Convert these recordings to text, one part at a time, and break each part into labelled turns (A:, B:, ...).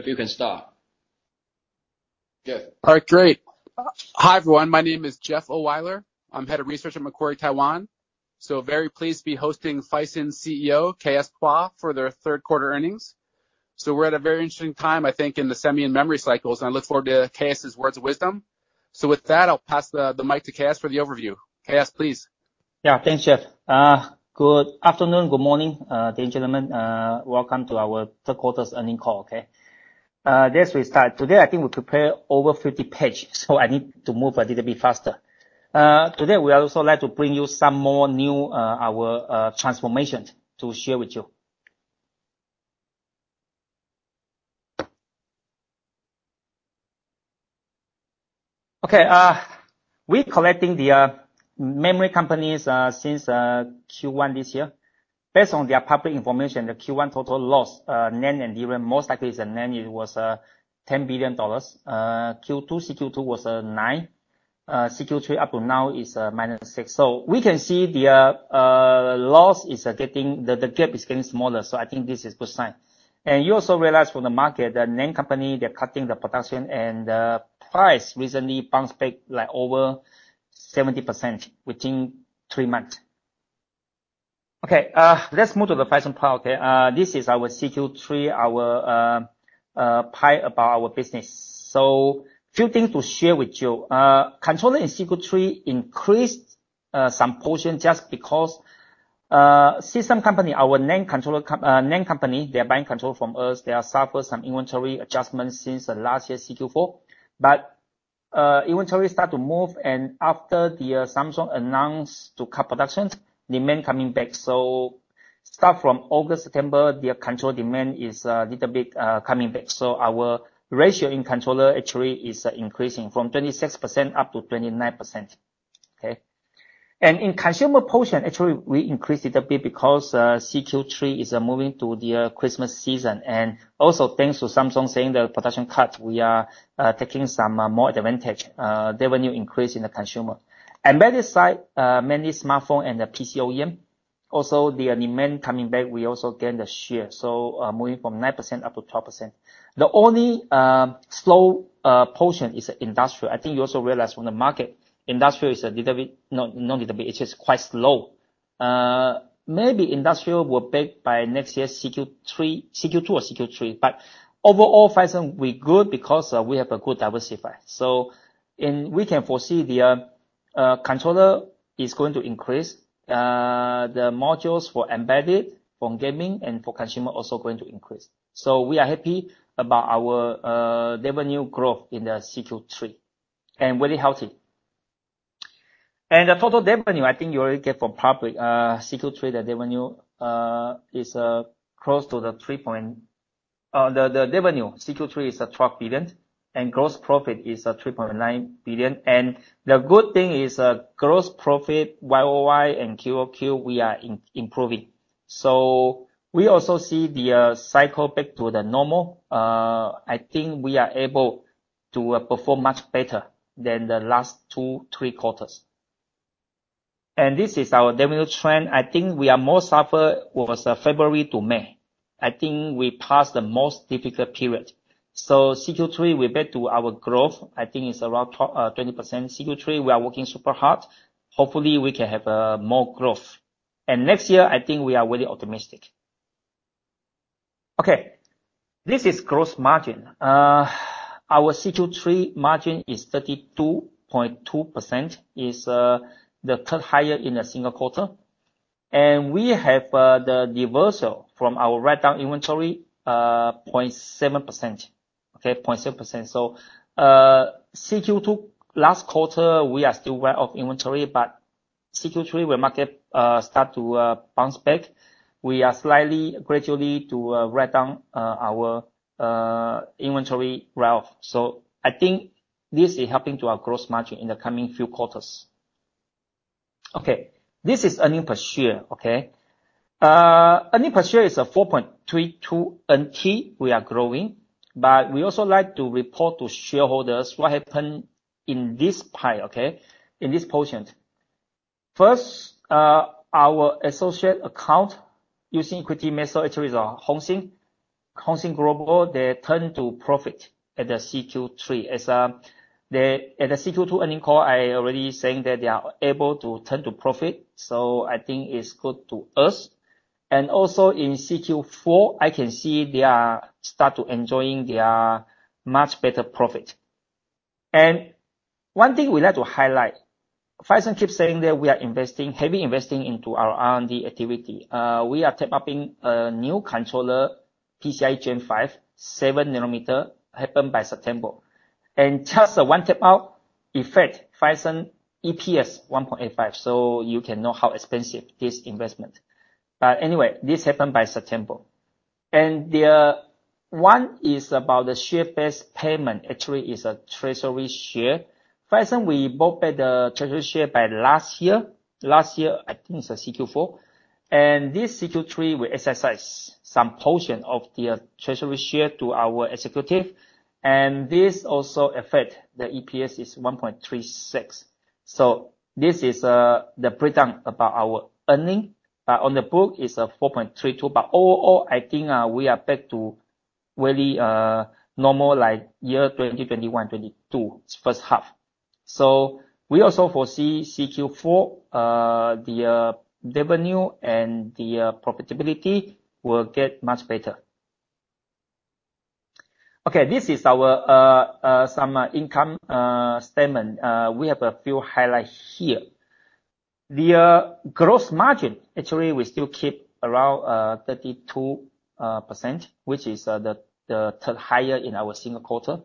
A: If you can start. Good.
B: All right, great. Hi, everyone. My name is Jeff Ohlweiler. I'm Head of Research at Macquarie, Taiwan. Very pleased to be hosting Phison's CEO, K.S. Pua, for their third quarter earnings. We're at a very interesting time, I think, in the semi and memory cycles, and I look forward to K.S.'s words of wisdom. With that, I'll pass the mic to K.S. for the overview. K.S., please.
C: Yeah. Thanks, Jeff. Good afternoon, good morning, ladies and gentlemen. Welcome to our third quarter's earnings call, okay? Let's restart. Today, I think we prepare over 50 page, so I need to move a little bit faster. Today, we are also like to bring you some more new, our transformations to share with you. Okay, we're collecting the memory companies since Q1 this year. Based on their public information, the Q1 total loss, NAND and even most likely it's the NAND, it was $10 billion. Q2, Q2 was $9 billion. Q3 up to now is -$6 billion. So we can see the loss is getting... The gap is getting smaller, so I think this is good sign. You also realize from the market, the NAND company, they're cutting the production, and the price recently bounced back, like, over 70% within three months. Okay, let's move to the Phison part, okay. This is our Q3, our pie about our business. So few things to share with you. Controller in Q3 increased some portion just because system company, our NAND controller NAND company, they're buying control from us. They are suffer some inventory adjustments since the last year, Q4. But, inventory start to move, and after the Samsung announced to cut production, demand coming back. So start from August, September, their control demand is a little bit coming back. So our ratio in controller actually is increasing from 26% up to 29%, okay? In consumer portion, actually, we increased it a bit because CQ3 is moving to the Christmas season. And also, thanks to Samsung saying the production cut, we are taking some more advantage, revenue increase in the consumer. Embedded side, many smartphone and the PC OEM, also the demand coming back, we also gain the share, so moving from 9% up to 12%. The only slow portion is industrial. I think you also realize from the market, industrial is a little bit—not, not little bit, it is quite slow. Maybe industrial will be back by next year, CQ3, CQ2 or CQ3. But overall, Phison, we're good because we have a good diversify. We can foresee the controller is going to increase the modules for embedded, from gaming and for consumer, also going to increase. We are happy about our revenue growth in the Q3, and very healthy. The total revenue, I think you already get from public, Q3, the revenue is NTD 12 billion, and gross profit is NTD 3.9 billion. The good thing is, gross profit, YOY and QOQ, we are improving. We also see the cycle back to normal. I think we are able to perform much better than the last two, three quarters. This is our revenue trend. I think we suffered more over February to May. I think we passed the most difficult period. So CQ3, we're back to our growth. I think it's around 20%. CQ3, we are working super hard. Hopefully, we can have more growth. And next year, I think we are very optimistic. Okay, this is gross margin. Our CQ3 margin is 32.2%, is the third higher in a single quarter. And we have the reversal from our write-down inventory, 0.7%. Okay, 0.7%. So, CQ2, last quarter, we are still well off inventory, but CQ3, where market start to bounce back, we are slightly, gradually to write down our inventory well. So I think this is helping to our gross margin in the coming few quarters. Okay, this is earning per share, okay? Earning Per Share is NTD 4.32. We are growing, but we also like to report to shareholders what happened in this pie, okay, in this portion. First, our associate account using equity method, which is Hosin. Hosin Global, they turn to profit at the CQ3. As they at the CQ2 earning call, I already saying that they are able to turn to profit, so I think it's good to us. And also in CQ4, I can see they are start to enjoying their much better profit. And one thing we like to highlight, Phison keeps saying that we are investing, heavy investing into our R&D activity. We are tape-out a new controller, PCIe Gen 5, 7-nanometer, happened by September. And just one tape-out affect Phison EPS 1.85, so you can know how expensive this investment. But anyway, this happened by September. The one is about the share-based payment, actually is a treasury share. Phison, we bought back the treasury share by last year. Last year, I think it's Q4, and this Q3, we exercise some portion of the treasury share to our executive. And this also affect the EPS is 1.36. So this is, the breakdown about our earning, but on the book is a 4.32. But overall, I think, we are back to really, normal like year 2020, 2021, 2022, first half. So we also foresee Q4, the, revenue and the, profitability will get much better. Okay, this is our, some, income, statement. We have a few highlights here. The gross margin, actually, we still keep around 32%, which is the third higher in our single quarter.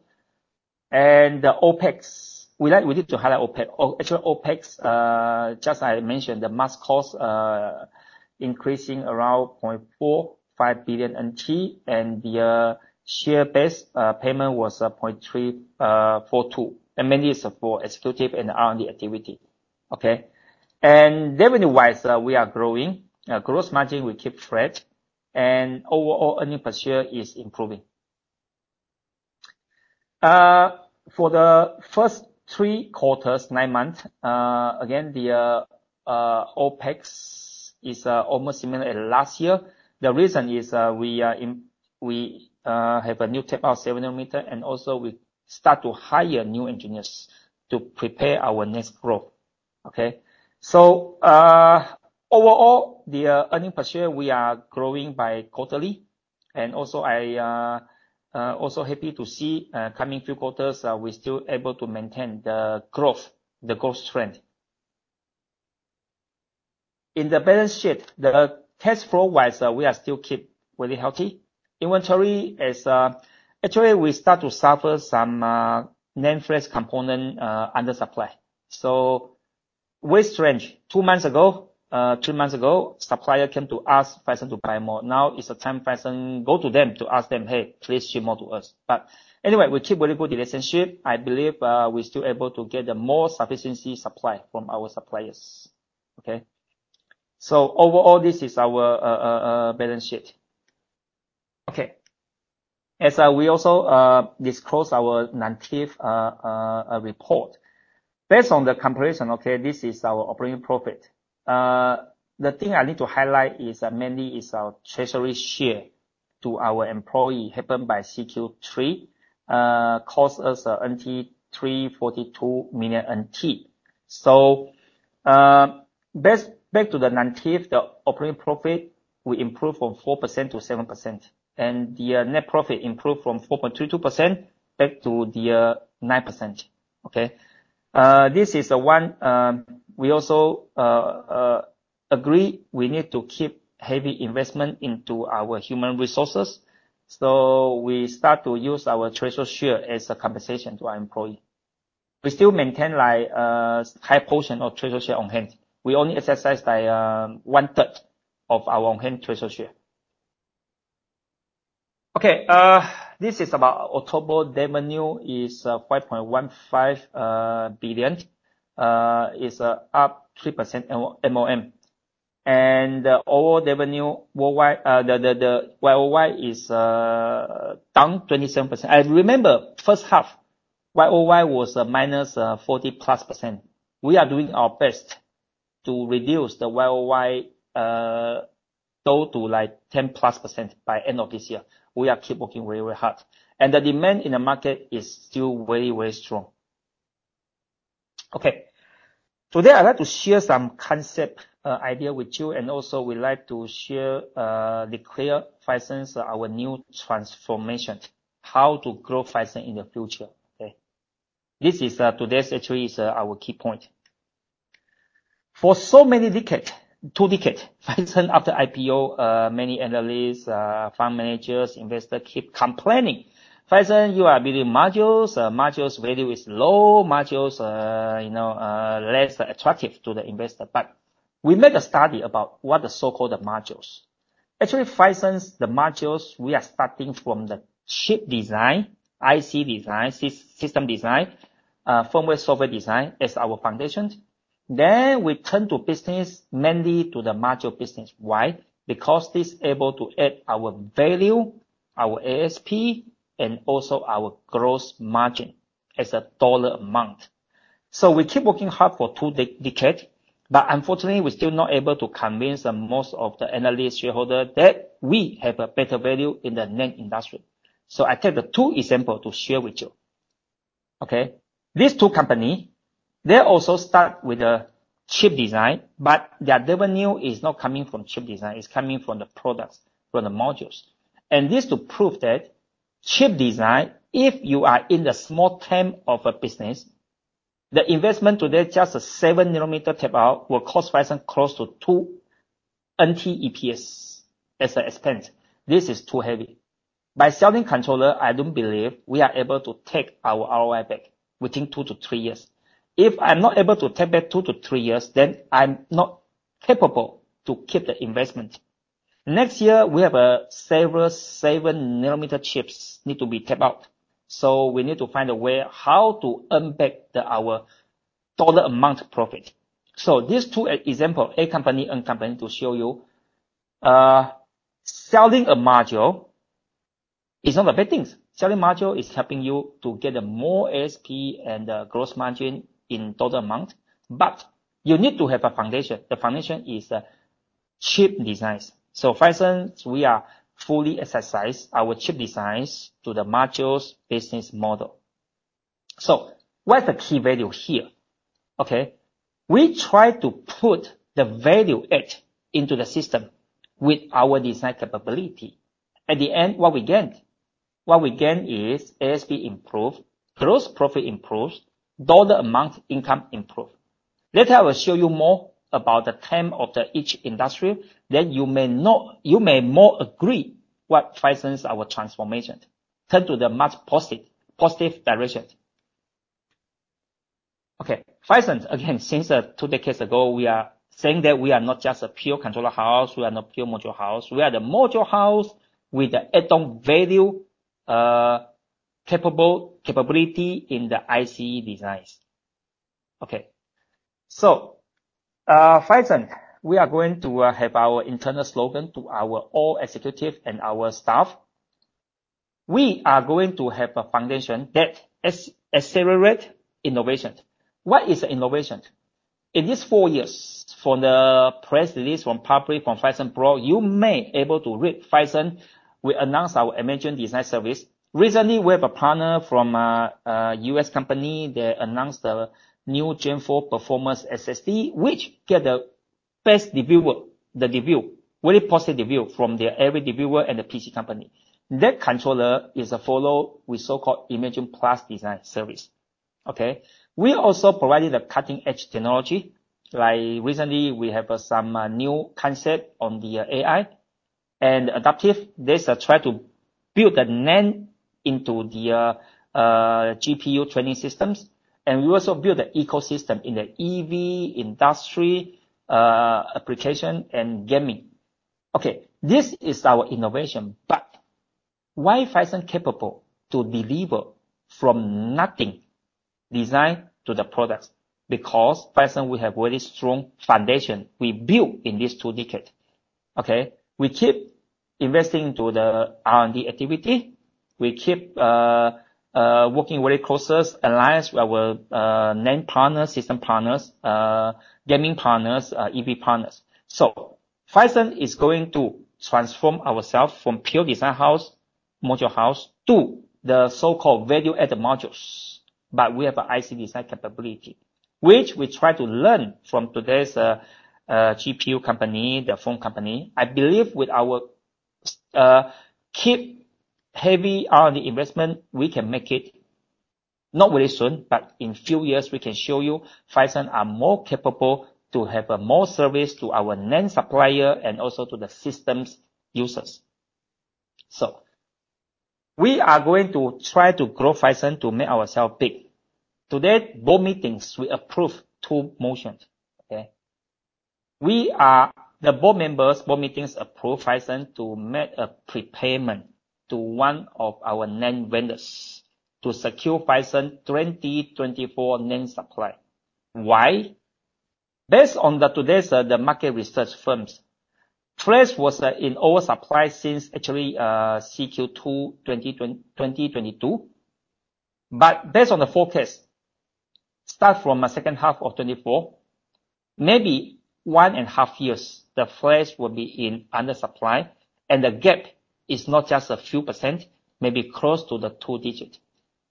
C: And the OpEx, we need to highlight OpEx. Actually, OpEx, just as I mentioned, the mask cost increasing around NTD 0.45 billion, and the share-based payment was NTD 0.342 billion, and mainly is for executive and R&D activity. Okay? And revenue-wise, we are growing. Gross margin, we keep steady, and overall, earnings per share is improving. For the first three quarters, nine months, again, the OpEx is almost similar last year. The reason is, we have a new tape-out, our 7 nanometer, and also we start to hire new engineers to prepare our next growth. Okay? So, overall, the earnings per share, we are growing by quarterly. And also, I also happy to see coming few quarters, we're still able to maintain the growth, the growth trend. In the balance sheet, the cash flow-wise, we are still keep very healthy. Inventory is... Actually, we start to suffer some NAND flash component under supply. So very strange. Two months ago, supplier came to us, Phison, to buy more. Now it's the time Phison go to them to ask them: "Hey, please ship more to us." But anyway, we keep very good relationship. I believe, we're still able to get the more sufficient supply from our suppliers. Okay? So overall, this is our balance sheet. Okay. As we also disclose our non-GAAP report. Based on the comparison, okay, this is our operating profit. The thing I need to highlight is mainly our treasury share to our employee, happened by Q3, cost us NTD 342 million. So, back to the non-GAAP, the operating profit will improve from 4% to 7%, and the net profit improved from 4.22% back to the 9%. Okay? This is the one, we also agree we need to keep heavy investment into our human resources, so we start to use our treasury share as a compensation to our employee. We still maintain, like, high portion of treasury share on hand. We only exercise by one-third of our on-hand treasury share. Okay, this is about October. Revenue is 5.15 billion. It's up 3% MOM, and overall revenue worldwide, the YOY is down 27%. And remember, first half, YOY was minus 40+%. We are doing our best to reduce the YOY down to like 10+% by end of this year. We are keep working very, very hard, and the demand in the market is still very, very strong. Okay. Today, I'd like to share some concept, idea with you, and also we'd like to share the clear Phison, our new transformation, how to grow Phison in the future, okay? This is, today's actually is, our key point. For so many decade, two decade, Phison after IPO, many analysts, fund managers, investors, keep complaining: "Phison, you are building modules. Modules value is low. Modules, you know, are less attractive to the investor." But we made a study about what the so-called modules. Actually, Phison, the modules we are starting from the chip design, IC design, system design, firmware, software design, as our foundations. Then we turn to business, mainly to the module business. Why? Because this able to add our value, our ASP, and also our gross margin as a dollar amount. So we keep working hard for two decades, but unfortunately, we're still not able to convince the most of the analyst, shareholder, that we have a better value in the main industry. So I take the two example to share with you. Okay? These two company, they also start with a chip design, but their revenue is not coming from chip design, it's coming from the products, from the modules. And this to prove that chip design, if you are in the short term of a business, the investment today, just a 7-nanometer tape-out, will cost Phison close to NTD 2 EPS as an expense. This is too heavy. By selling controller, I don't believe we are able to take our ROI back within 2-3 years. If I'm not able to take back 2-3 years, then I'm not capable to keep the investment. Next year, we have several 7-nanometer chips need to be tape-out. So we need to find a way how to earn back the, our dollar amount profit. So these two examples, A company and B company, to show you. Selling a module is not a bad thing. Selling module is helping you to get a more ASP and gross margin in total amount, but you need to have a foundation. The foundation is chip designs. So Phison, we are fully exercise our chip designs to the modules business model. So what's the key value here? Okay, we try to put the value add into the system with our design capability. At the end, what we gain? What we gain is ASP improved, gross profit improves, dollar amount income improve. Later, I will show you more about the terms of each industry, then you may more agree what Phison's our transformation turn to the much positive direction. Okay. Phison, again, since two decades ago, we are saying that we are not just a pure controller house, we are not pure module house. We are the module house with the add-on value, capable capability in the IC designs. Okay. So, Phison, we are going to have our internal slogan to our all executive and our staff. We are going to have a foundation that accelerate innovation. What is innovation? In this four years, from the press release, from public, from Phison PR, you may able to read Phison. We announced our imagined design service. Recently, we have a partner from, a U.S. company. They announced the new Gen 4 performance SSD, which get the best review. The review, very positive review from their every reviewer and the PC company. That controller is a follow with so-called IMAGIN+ design service. Okay? We also provided a cutting-edge technology, like recently we have some, new concept on the AI and adaptive. This try to build a NAND into the, GPU training systems, and we also build the ecosystem in the EV industry, application and gaming. Okay, this is our innovation, but why Phison capable to deliver from nothing design to the products? Because Phison, we have very strong foundation we built in this two decade, okay? We keep investing into the R&D activity. We keep working very close alliance with our, main partners, system partners, gaming partners, EV partners. So Phison is going to transform ourself from pure design house, module house, to the so-called value-added modules. But we have a IC design capability, which we try to learn from today's, GPU company, the phone company. I believe with our keep heavy R&D investment, we can make it not very soon, but in few years, we can show you Phison are more capable to have a more service to our NAND supplier and also to the systems users. So we are going to try to grow Phison to make ourself big. Today, board meetings, we approve two motions, okay? We are. The board members, board meetings, approve Phison to make a prepayment to one of our NAND vendors to secure Phison 2024 NAND supply. Why? Based on today's the market research firms, flash was in oversupply since actually Q2 2022. But based on the forecast, start from second half of 2024, maybe 1.5 years, the flash will be in under supply, and the gap is not just a few %, maybe close to the two-digit.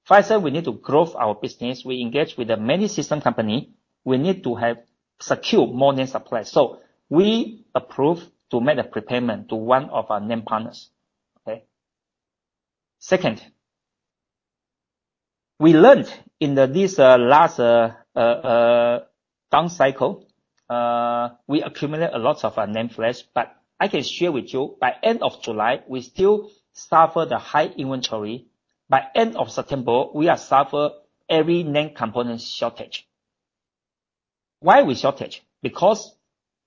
C: Phison, we need to grow our business. We engage with the many system company. We need to have secure more NAND supply. So we approve to make a prepayment to one of our main partners, okay? Second, we learned in this last down cycle, we accumulate a lot of NAND flash, but I can share with you, by end of July, we still suffer the high inventory. By end of September, we are suffer every NAND component shortage. Why we shortage? Because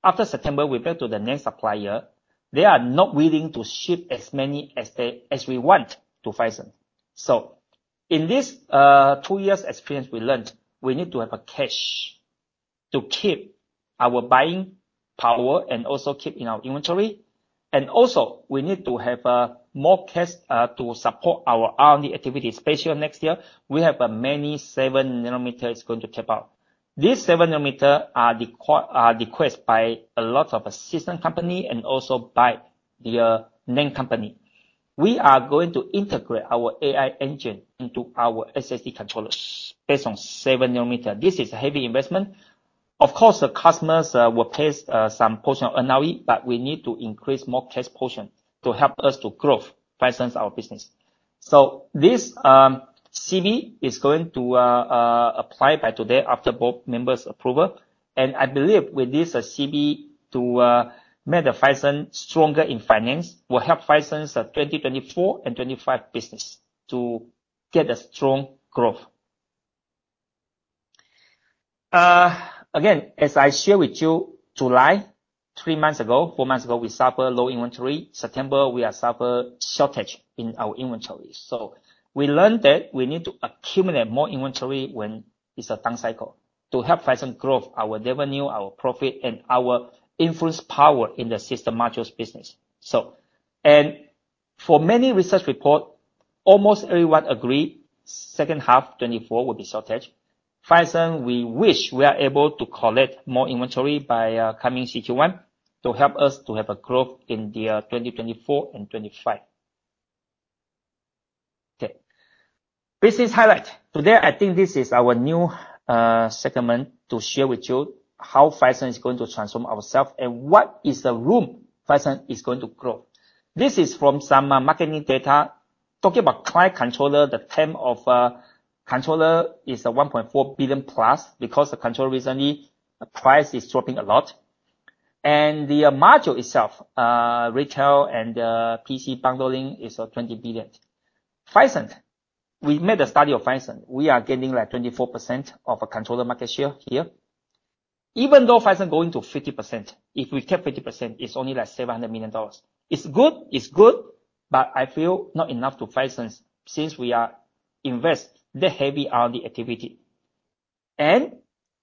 C: after September, we went to the NAND supplier, they are not willing to ship as many as we want to Phison. So in this two years experience, we learned we need to have a cash to keep our buying power and also keep in our inventory. And also, we need to have more cash to support our R&D activity, especially next year, we have many seven nanometers going to tape-out. These seven nanometer are request by a lot of a system company and also by the NAND company. We are going to integrate our AI engine into our SSD controllers based on seven nanometer. This is a heavy investment. Of course, the customers will test some portion of NRE, but we need to increase more test portion to help us to grow Phison, our business. So this CB is going to apply by today after both members approval, and I believe with this CB to make the Phison stronger in finance, will help Phison's 2024 and 2025 business to get a strong growth. Again, as I share with you, July, three months ago, four months ago, we suffer low inventory. September, we suffer shortage in our inventory. So we learned that we need to accumulate more inventory when it's a down cycle to help Phison growth, our revenue, our profit, and our influence power in the system modules business. So, and for many research report, almost everyone agreed second half 2024 will be shortage. Phison, we wish we are able to collect more inventory by coming CQ1 to help us to have a growth in the 2024 and 2025. Okay. Business highlight. Today, I think this is our new segment to share with you how Phison is going to transform ourself and what is the room Phison is going to grow. This is from some marketing data talking about client controller. The TAM of controller is a $1.4 billion+, because the controller recently, the price is dropping a lot. And the module itself, retail and PC bundling, is $20 billion. Phison, we made a study of Phison. We are gaining, like, 24% of a controller market share here. Even though Phison going to 50%, if we keep 50%, it's only like $700 million. It's good, it's good, but I feel not enough to Phison since we are invest that heavy on the activity. And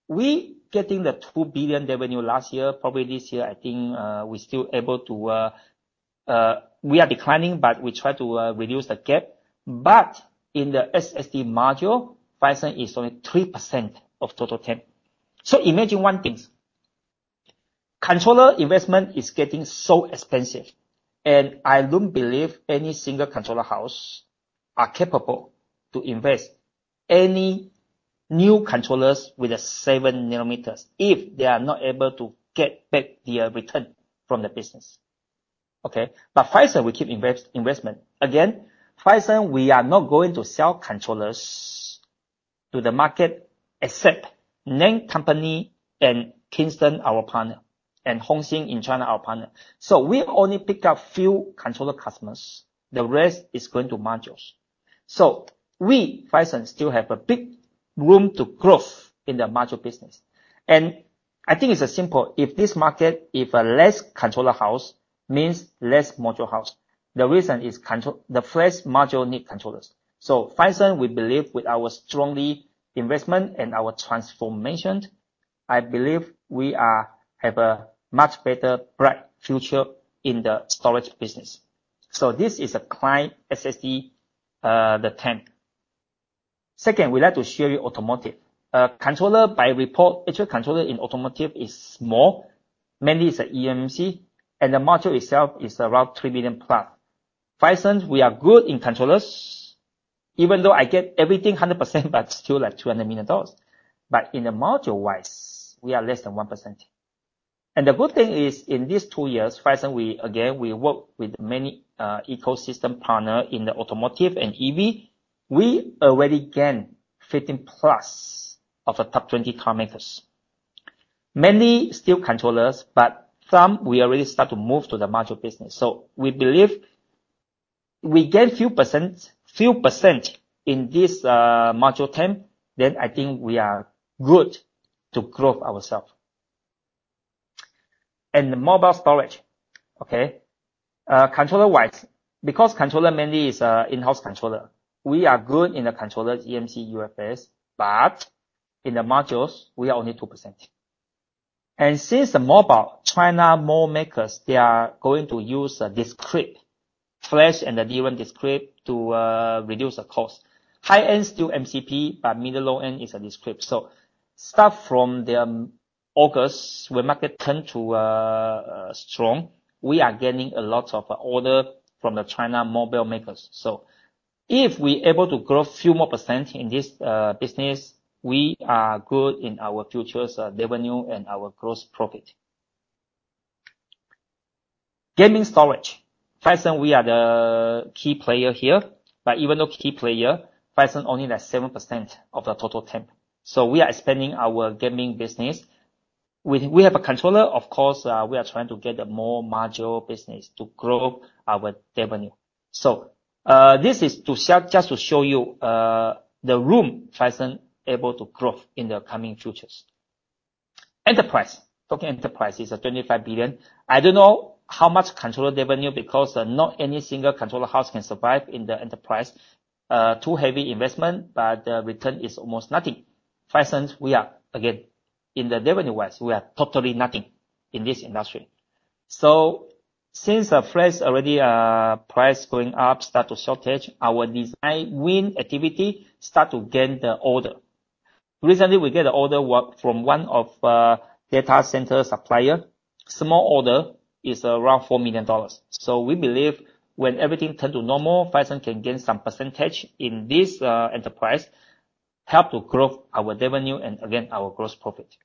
C: we getting the NTD 2 billion revenue last year, probably this year, I think, we still able to, we are declining, but we try to reduce the gap. But in the SSD module, Phison is only 3% of total TAM. So imagine one thing, controller investment is getting so expensive, and I don't believe any single controller house are capable to invest any new controllers with 7 nanometers if they are not able to get back their return from the business, okay? But Phison, we keep investment. Again, Phison, we are not going to sell controllers to the market, except named company and Kingston, our partner, and Hosin in China, our partner. So we only pick up few controller customers. The rest is going to modules. So we, Phison, still have a big room to growth in the module business. I think it's a simple, if this market, if a less controller house means less module house, the reason is the first module need controllers. So Phison, we believe with our strongly investment and our transformation, I believe we have a much better, bright future in the storage business. So this is a client SSD, the TAM. Second, we'd like to show you automotive. Controller by report, actual controller in automotive is small. Mainly, it's a eMMC, and the module itself is around $3 billion+. Phison, we are good in controllers. Even though I get everything hundred percent, but still, like, $200 million. But in the module wise, we are less than 1%. And the good thing is, in these two years, Phison, we again, we work with many ecosystem partner in the automotive and EV. We already gain 15+ of the top 20 car makers. Many still controllers, but some we already start to move to the module business. So we believe we gain few percent, few percent in this module TAM, then I think we are good to grow ourselves. And the mobile storage, okay? Controller-wise, because controller mainly is an in-house controller, we are good in the controllers, eMMC, UFS, but in the modules, we are only 2%. And since the mobile China low-end makers, they are going to use a discrete flash and the DRAM discrete to reduce the cost. High-end still MCP, but middle low-end is a discrete. So start from the August, where market turn to strong, we are gaining a lot of orders from the China mobile makers. So if we able to grow a few more % in this business, we are good in our futures revenue and our gross profit. Gaming storage. Phison, we are the key player here, but even though key player, Phison only has 7% of the total TAM. So we are expanding our gaming business. We have a controller, of course, we are trying to get a more module business to grow our revenue. So, this is to just to show you, the room Phison able to grow in the coming futures. Enterprise. Talking enterprise is a $25 billion. I don't know how much controller revenue, because, not any single controller house can survive in the enterprise. Too heavy investment, but the return is almost nothing. Phison, we are again, in the revenue-wise, we are totally nothing in this industry. So since the price already, price going up, start to shortage, our design-win activity start to gain the order. Recently, we get an order work from one of, data center supplier. Small order is around $4 million. So we believe when everything turn to normal, Phison can gain some percentage in this, enterprise, help to grow our revenue and again, our gross profit.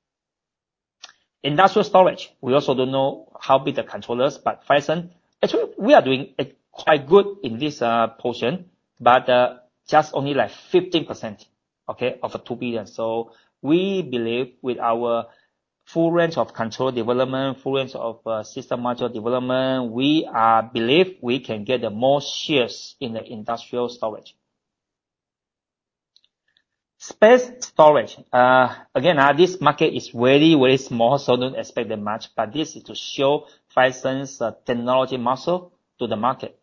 C: Industrial storage. We also don't know how big the controllers, but Phison, actually, we are doing it quite good in this, portion, but, just only like 15%, okay, of the $2 billion. So we believe with our full range of controller development, full range of, system module development, we believe we can get the more shares in the industrial storage. Space storage. Again, this market is very, very small, so don't expect that much, but this is to show Phison's technology muscle to the market.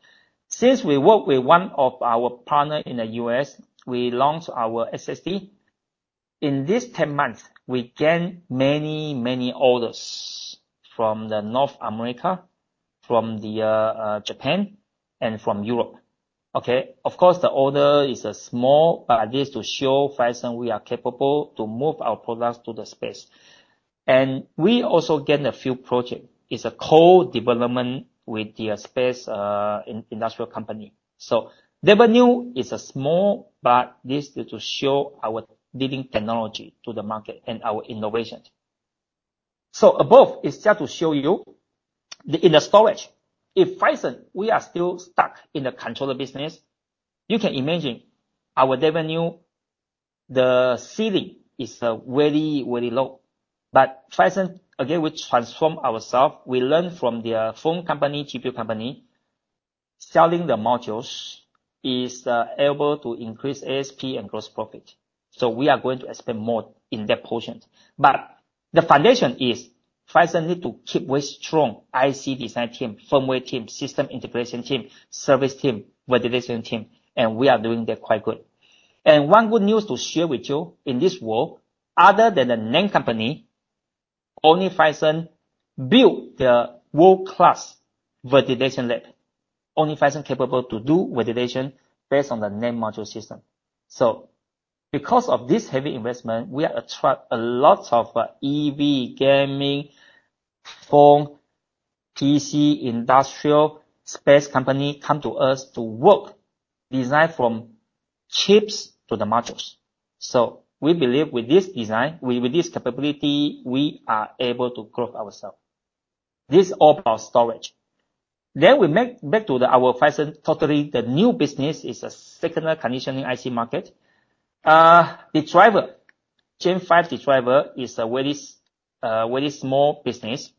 C: Since we work with one of our partner in the U.S., we launched our SSD. In this 10 months, we gain many, many orders from North America, from Japan, and from Europe. Okay? Of course, the order is a small, but at least to show Phison we are capable to move our products to the space. And we also gain a few project. It's a co-development with the space industrial company. So revenue is a small, but this is to show our leading technology to the market and our innovations. So above is just to show you, then in the storage, if Phison, we are still stuck in the controller business, you can imagine our revenue, the ceiling is very, very low. But Phison, again, we transform ourself. We learn from the phone company, GPU company. Selling the modules is able to increase ASP and gross profit. So we are going to expand more in that portion. But the foundation is, Phison need to keep very strong IC design team, firmware team, system integration team, service team, validation team, and we are doing that quite good. And one good news to share with you in this world, other than the NAND company, only Phison built the world-class validation lab. Only Phison capable to do validation based on the NAND module system. So because of this heavy investment, we are attract a lot of EV, gaming, phone, PC, industrial, space company, come to us to work, design from chips to the modules. So we believe with this design, with this capability, we are able to grow ourselves. This all about storage. Then we make back to the our Phison totally the new business is a signal conditioning IC market. Redriver, Gen 5 Redriver is a very small business,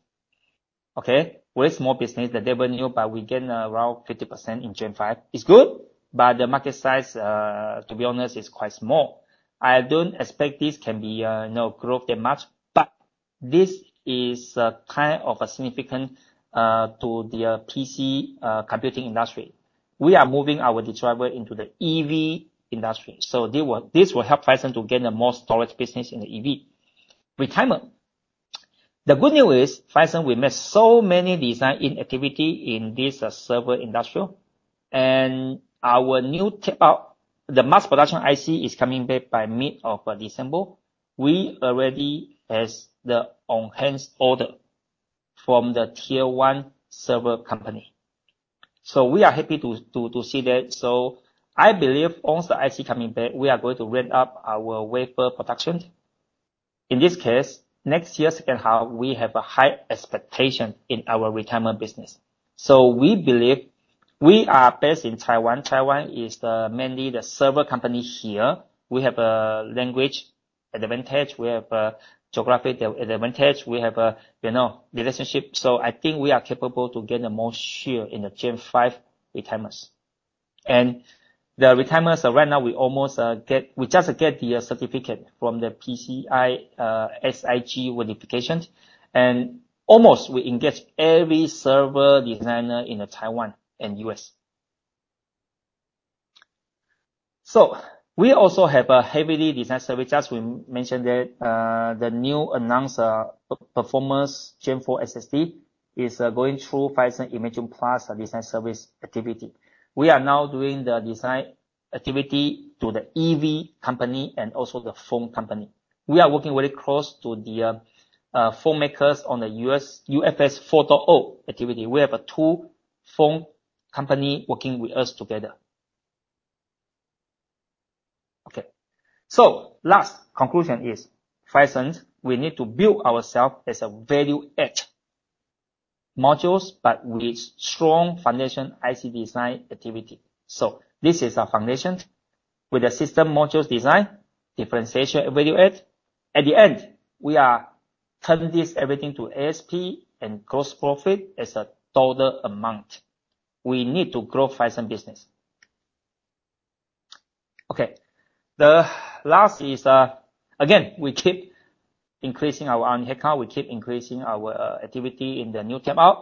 C: okay? Very small business, the revenue, but we gain around 50% in Gen 5. It's good, but the market size, to be honest, is quite small. I don't expect this can be, you know, grow that much, but this is, kind of a significant, to the PC, computing industry. We are moving our Redriver into the EV industry, so this will help Phison to gain more storage business in the EV, retimer. The good news is, Phison, we made so many design-in activities in this server industry, and our new tape-out, the mass production IC, is coming back by mid-December. We already has the enhanced order from the tier one server company. So we are happy to see that. So I believe once the IC coming back, we are going to ramp up our wafer production. In this case, next year, second half, we have a high expectation in our retimer business. So we believe we are based in Taiwan. Taiwan is the mainly the server company here. We have a language advantage, we have a geographic advantage, we have a, you know, relationship. So I think we are capable to get a more share in the Gen 5 retimers. And the retimers, right now, we almost get. We just get the certificate from the PCI-SIG verification, and almost we engage every server designer in the Taiwan and U.S. So we also have a heavy design service, as we mentioned there, the new announced performance Gen 4 SSD is going through Phison IMAGIN+ design service activity. We are now doing the design activity to the EV company and also the phone company. We are working very close to the phone makers on the U.S.-UFS 4.0 activity. We have two phone companies working with us together. Okay. So last conclusion is, Phison, we need to build ourselves as a value add modules, but with strong foundation IC design activity. So this is our foundation. With the system modules design, differentiation, value add, at the end, we are turning this everything to ASP and gross profit as a total amount. We need to grow Phison business. Okay. The last is, again, we keep increasing our R&D account, we keep increasing our, activity in the new customer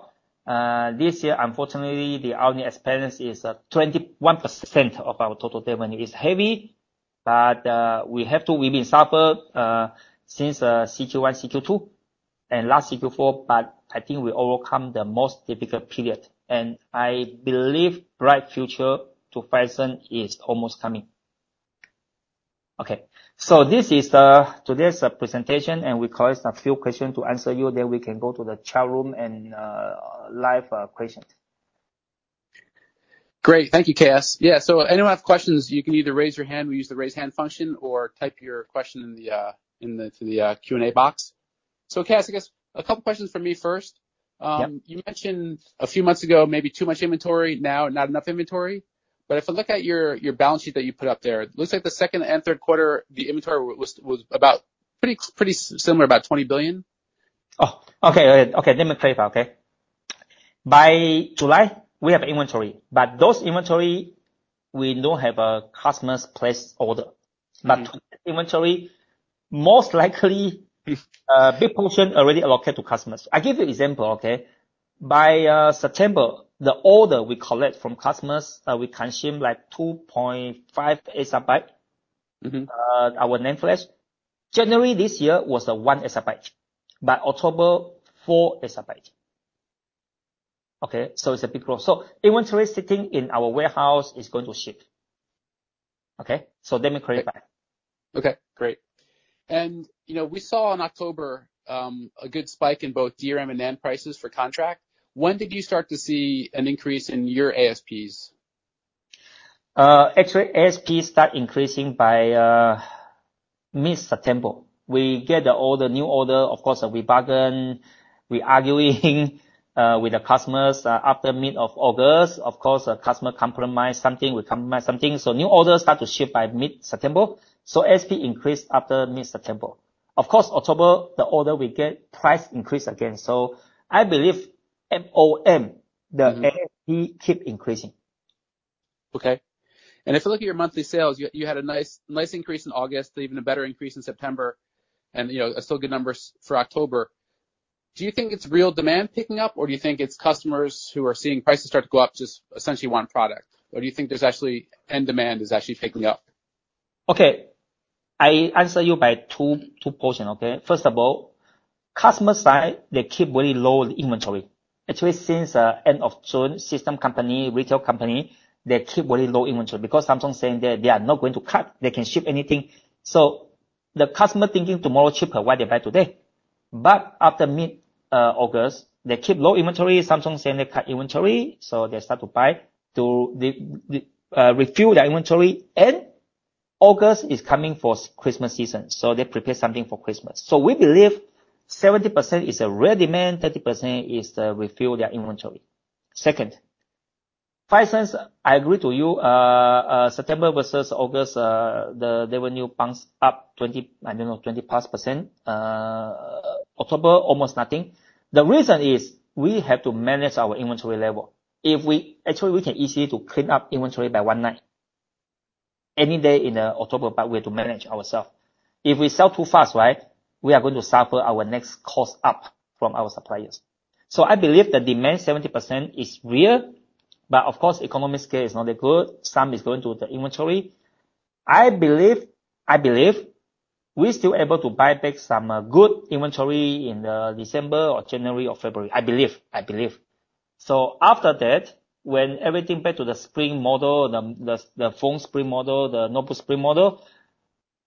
C: account. This year, unfortunately, the R&D expense is, 21% of our total revenue. It's heavy, but, we have to. We've been suffer, since, CQ1, CQ2, and last CQ4, but I think we overcome the most difficult period, and I believe bright future to Phison is almost coming. Okay. So this is, today's presentation, and we collect a few questions to answer you, then we can go to the chat room and, live, questions.
D: Great. Thank you, KS. Yeah, so anyone have questions, you can either raise your hand, we use the raise hand function, or type your question in the Q&A box. So KS, I guess a couple questions for me first.
C: Yep.
D: You mentioned a few months ago, maybe too much inventory, now, not enough inventory. But if I look at your balance sheet that you put up there, it looks like the second and third quarter, the inventory was about pretty similar, about NTD 20 billion.
C: Oh, okay. Okay. Let me clarify that, okay? By July, we have inventory, but those inventory, we don't have a customer's placed order.
D: Mm-hmm.
C: But eventually, most likely, big portion already allocated to customers. I give you example, okay? By September, the order we collect from customers, we consume like 2.5 EB.
D: Mm-hmm.
C: Our NAND flash. January this year was 1 EB, but October, 4 EB. Okay, so it's a big growth. So inventory sitting in our warehouse is going to ship, okay? So democratic buy.
D: Okay, great. You know, we saw in October a good spike in both DRAM and NAND prices for contract. When did you start to see an increase in your ASPs?
C: Actually, ASP start increasing by mid-September. We get all the new order, of course, we bargain, we arguing with the customers. After mid of August, of course, the customer compromise something, we compromise something. So new orders start to ship by mid-September, so ASP increased after mid-September. Of course, October, the order we get, price increase again. So I believe MOM-
D: Mm-hmm.
C: The ASP keep increasing.
D: Okay. And if you look at your monthly sales, you had a nice increase in August, even a better increase in September, and, you know, still good numbers for October. Do you think it's real demand picking up, or do you think it's customers who are seeing prices start to go up, just essentially want product? Or do you think there's actually end demand is actually picking up?
C: Okay, I answer you by two, two portion, okay? First of all, customer side, they keep very low inventory. Actually, since end of June, system company, retail company, they keep very low inventory because Samsung saying that they are not going to cut, they can ship anything. So the customer thinking tomorrow cheaper, why they buy today? But after mid August, they keep low inventory. Samsung saying they cut inventory, so they start to buy, to the refill their inventory. End August is coming for Christmas season, so they prepare something for Christmas. So we believe 70% is a real demand, 30% is to refill their inventory. Second, Phison, I agree to you, September versus August, the revenue bumps up 20, I don't know, 20+%. October, almost nothing. The reason is, we have to manage our inventory level. Actually, we can easily to clean up inventory by one night, any day in October, but we have to manage ourself. If we sell too fast, right, we are going to suffer our next cost up from our suppliers. So I believe the demand, 70% is real, but of course, economy scale is not that good. Some is going to the inventory. I believe, I believe we're still able to buy back some good inventory in December or January or February. I believe, I believe. So after that, when everything back to the spring model, the phone spring model, the notebook spring model,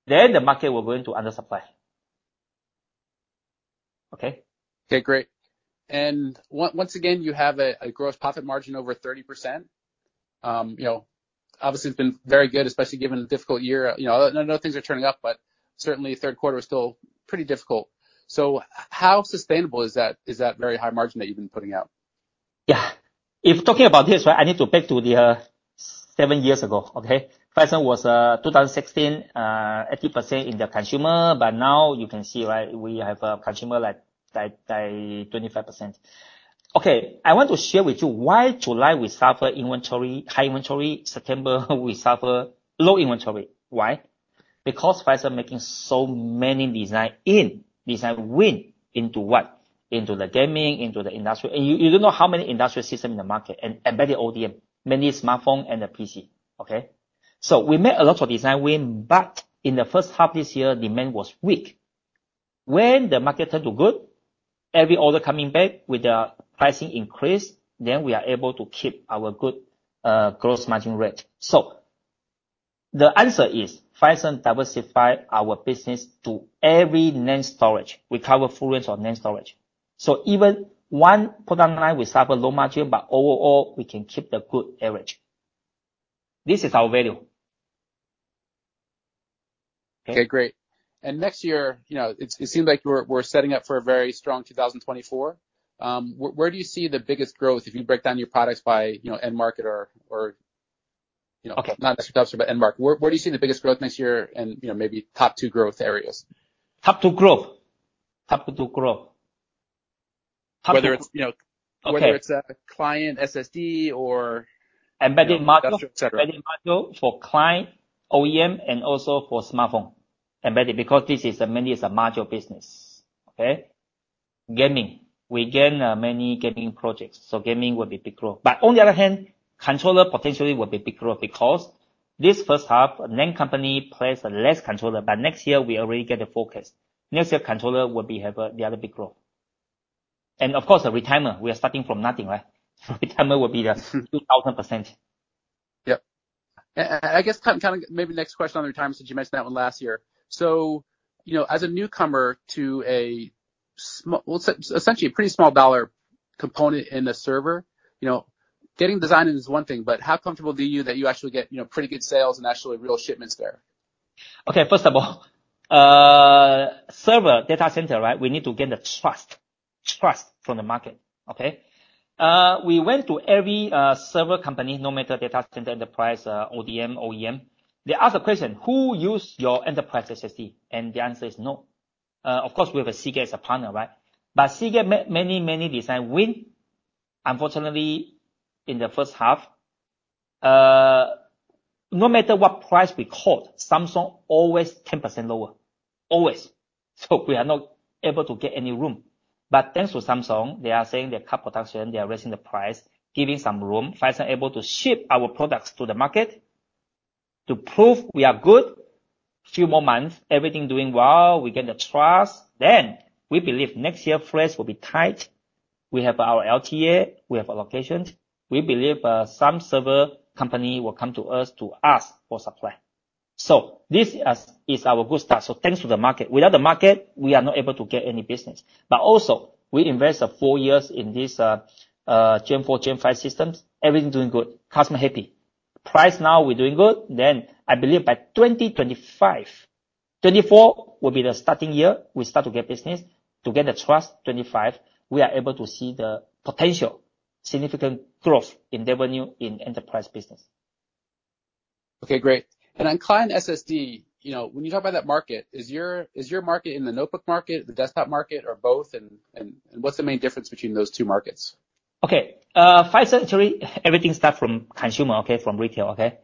C: then the market will going to undersupply. Okay?
D: Okay, great. Once again, you have a gross profit margin over 30%. You know, obviously, it's been very good, especially given the difficult year. You know, I know things are turning up, but certainly third quarter is still pretty difficult. So how sustainable is that, is that very high margin that you've been putting out?
C: Yeah. If talking about this, right, I need to back to the seven years ago, okay? Phison was 2016, eighty percent in the consumer, but now you can see, right, we have a consumer like twenty-five percent. Okay, I want to share with you why July we suffer inventory-high inventory, September we suffer low inventory. Why? Because Phison making so many design-in, design-win. Into what? Into the gaming, into the industrial. And you don't know how many industrial system in the market and embedded ODM, many smartphone and the PC, okay? So we made a lot of design-win, but in the first half this year, demand was weak. When the market turned to good, every order coming back with a pricing increase, then we are able to keep our good gross margin rate. The answer is, Phison diversify our business to every NAND storage. We cover full range of NAND storage. So even one product line, we suffer low margin, but overall, we can keep the good average. This is our value. Okay?
D: Okay, great. Next year, you know, it seems like we're setting up for a very strong 2024. Where do you see the biggest growth if you break down your products by, you know, end market or, you know-
C: Okay.
D: Not necessarily end market, where do you see the biggest growth next year and, you know, maybe top two growth areas?
C: Top two growth.
D: Whether it's, you know-
C: Okay.
D: Whether it's a client SSD or-
C: Embedded module-
D: Et cetera.
C: Embedded module for client, OEM, and also for smartphone, embedded, because this is mainly is a module business, okay? Gaming. We gain many gaming projects, so gaming will be big growth. But on the other hand, controller potentially will be big growth because this H1, NAND company place less controller, but next year we already get a forecast. Next year, controller will be have the other big growth. And of course, the retimer, we are starting from nothing, right? Retimer will be the 2,000%.
D: Yep. And I guess kind of maybe next question on the retimers, since you mentioned that one last year. So, you know, as a newcomer to a small, well, essentially a pretty small dollar component in the server, you know, getting design-in is one thing, but how comfortable are you that you actually get, you know, pretty good sales and actually real shipments there?
C: Okay, first of all, server data center, right? We need to gain the trust, trust from the market, okay? We went to every server company, no matter data center, enterprise, ODM, OEM. They ask a question: "Who use your enterprise SSD?" And the answer is no. Of course, we have a Seagate as a partner, right? But Seagate made many, many design-win. Unfortunately, in the first half, no matter what price we quote, Samsung always 10% lower, always. So we are not able to get any room. But thanks to Samsung, they are saying they cut production, they are raising the price, giving some room. Phison able to ship our products to the market to prove we are good. Few more months, everything doing well, we get the trust. Then, we believe next year, flash will be tight. We have our LTA. We have allocations. We believe some server company will come to us to ask for supply. So this is our good start. So thanks to the market. Without the market, we are not able to get any business. But also, we invest four years in this, Gen 4, Gen 5 systems. Everything doing good, customer happy. Price now, we're doing good. Then, I believe by 2025, 2024 will be the starting year. We start to get business. To get the trust, 2025, we are able to see the potential significant growth in revenue in enterprise business.
D: Okay, great. And on client SSD, you know, when you talk about that market, is your market in the notebook market, the desktop market, or both? And what's the main difference between those two markets?
C: Okay. Phison actually, everything start from consumer, okay? From retail, okay?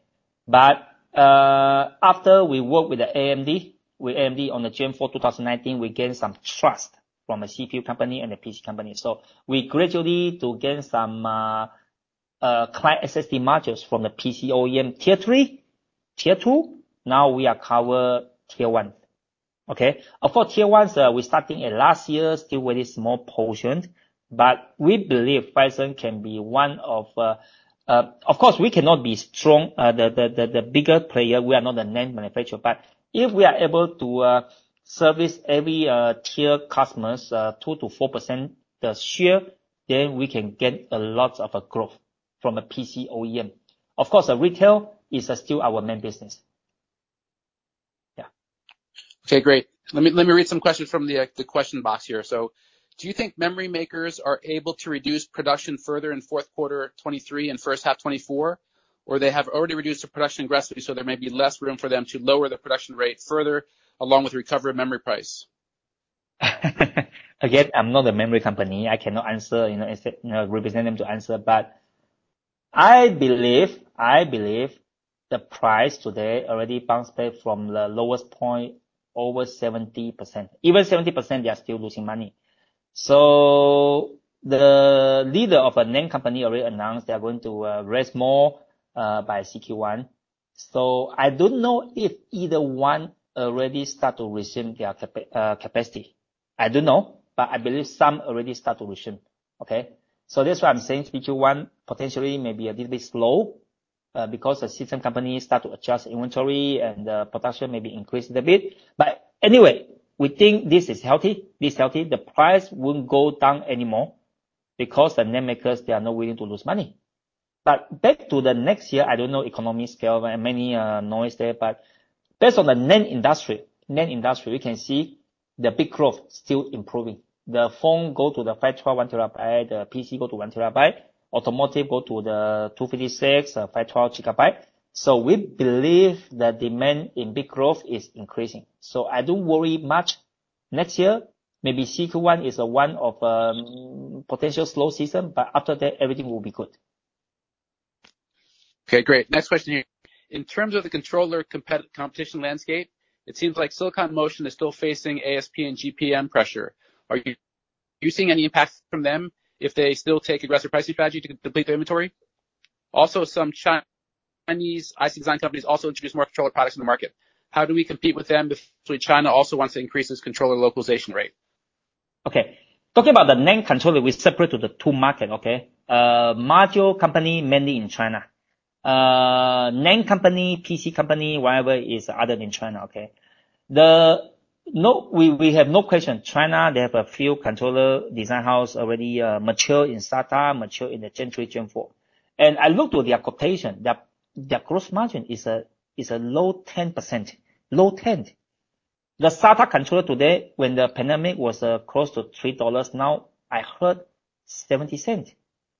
C: But after we work with the AMD, with AMD on the Gen 4, 2019, we gained some trust from a CPU company and a PC company. So we gradually to gain some client SSD modules from the PC OEM tier three, tier two, now we are cover tier one, okay? For tier ones, we're starting at last year, still very small portion, but we believe Phison can be one of. Of course, we cannot be strong, the bigger player, we are not the NAND manufacturer, but if we are able to service every tier customers, 2%-4% the share, then we can get a lots of growth from a PC OEM. Of course, the retail is still our main business. Yeah.
D: Okay, great. Let me, let me read some questions from the, the question box here. So do you think memory makers are able to reduce production further in fourth quarter 2023 and first half 2024? Or they have already reduced the production aggressively, so there may be less room for them to lower the production rate further, along with recovery memory price.
C: Again, I'm not a memory company, I cannot answer, you know, represent them to answer, but I believe, I believe the price today already bounced back from the lowest point, over 70%. Even 70%, they are still losing money. So the leader of a NAND company already announced they are going to raise more by Q1. So I don't know if either one already start to resume their capacity. I don't know, but I believe some already start to resume. Okay? So that's why I'm saying Q1, potentially may be a little bit slow because the system company start to adjust inventory and the production may be increased a bit. But anyway, we think this is healthy, the price won't go down anymore because the NAND makers, they are not willing to lose money. But back to next year, I don't know, economy scale and many noise there, but based on the NAND industry, NAND industry, we can see the big growth still improving. The phone go to the 512 GB, the PC go to 1 terabyte, automotive go to the 256, 512 gigabyte. So we believe the demand in big growth is increasing. So I don't worry much. Next year, maybe Q1 is one of potential slow season, but after that, everything will be good.
D: Okay, great. Next question here: In terms of the controller competition landscape, it seems like Silicon Motion is still facing ASP and GPM pressure. Are you seeing any impacts from them if they still take aggressive pricing strategy to complete their inventory? Also, some Chinese IC design companies also introduce more controller products in the market. How do we compete with them if China also wants to increase its controller localization rate?
C: Okay. Talking about the main controller, we separate the two market, okay? Module company, mainly in China. NAND company, PC company, whatever is other than China, okay? No, we have no question. China, they have a few controller design house already, mature in SATA, mature in the Gen 3, Gen 4. And I look to their quotation, their gross margin is a low 10%. Low 10%. The SATA controller today, when the pandemic was, close to $3, now, I heard $0.70.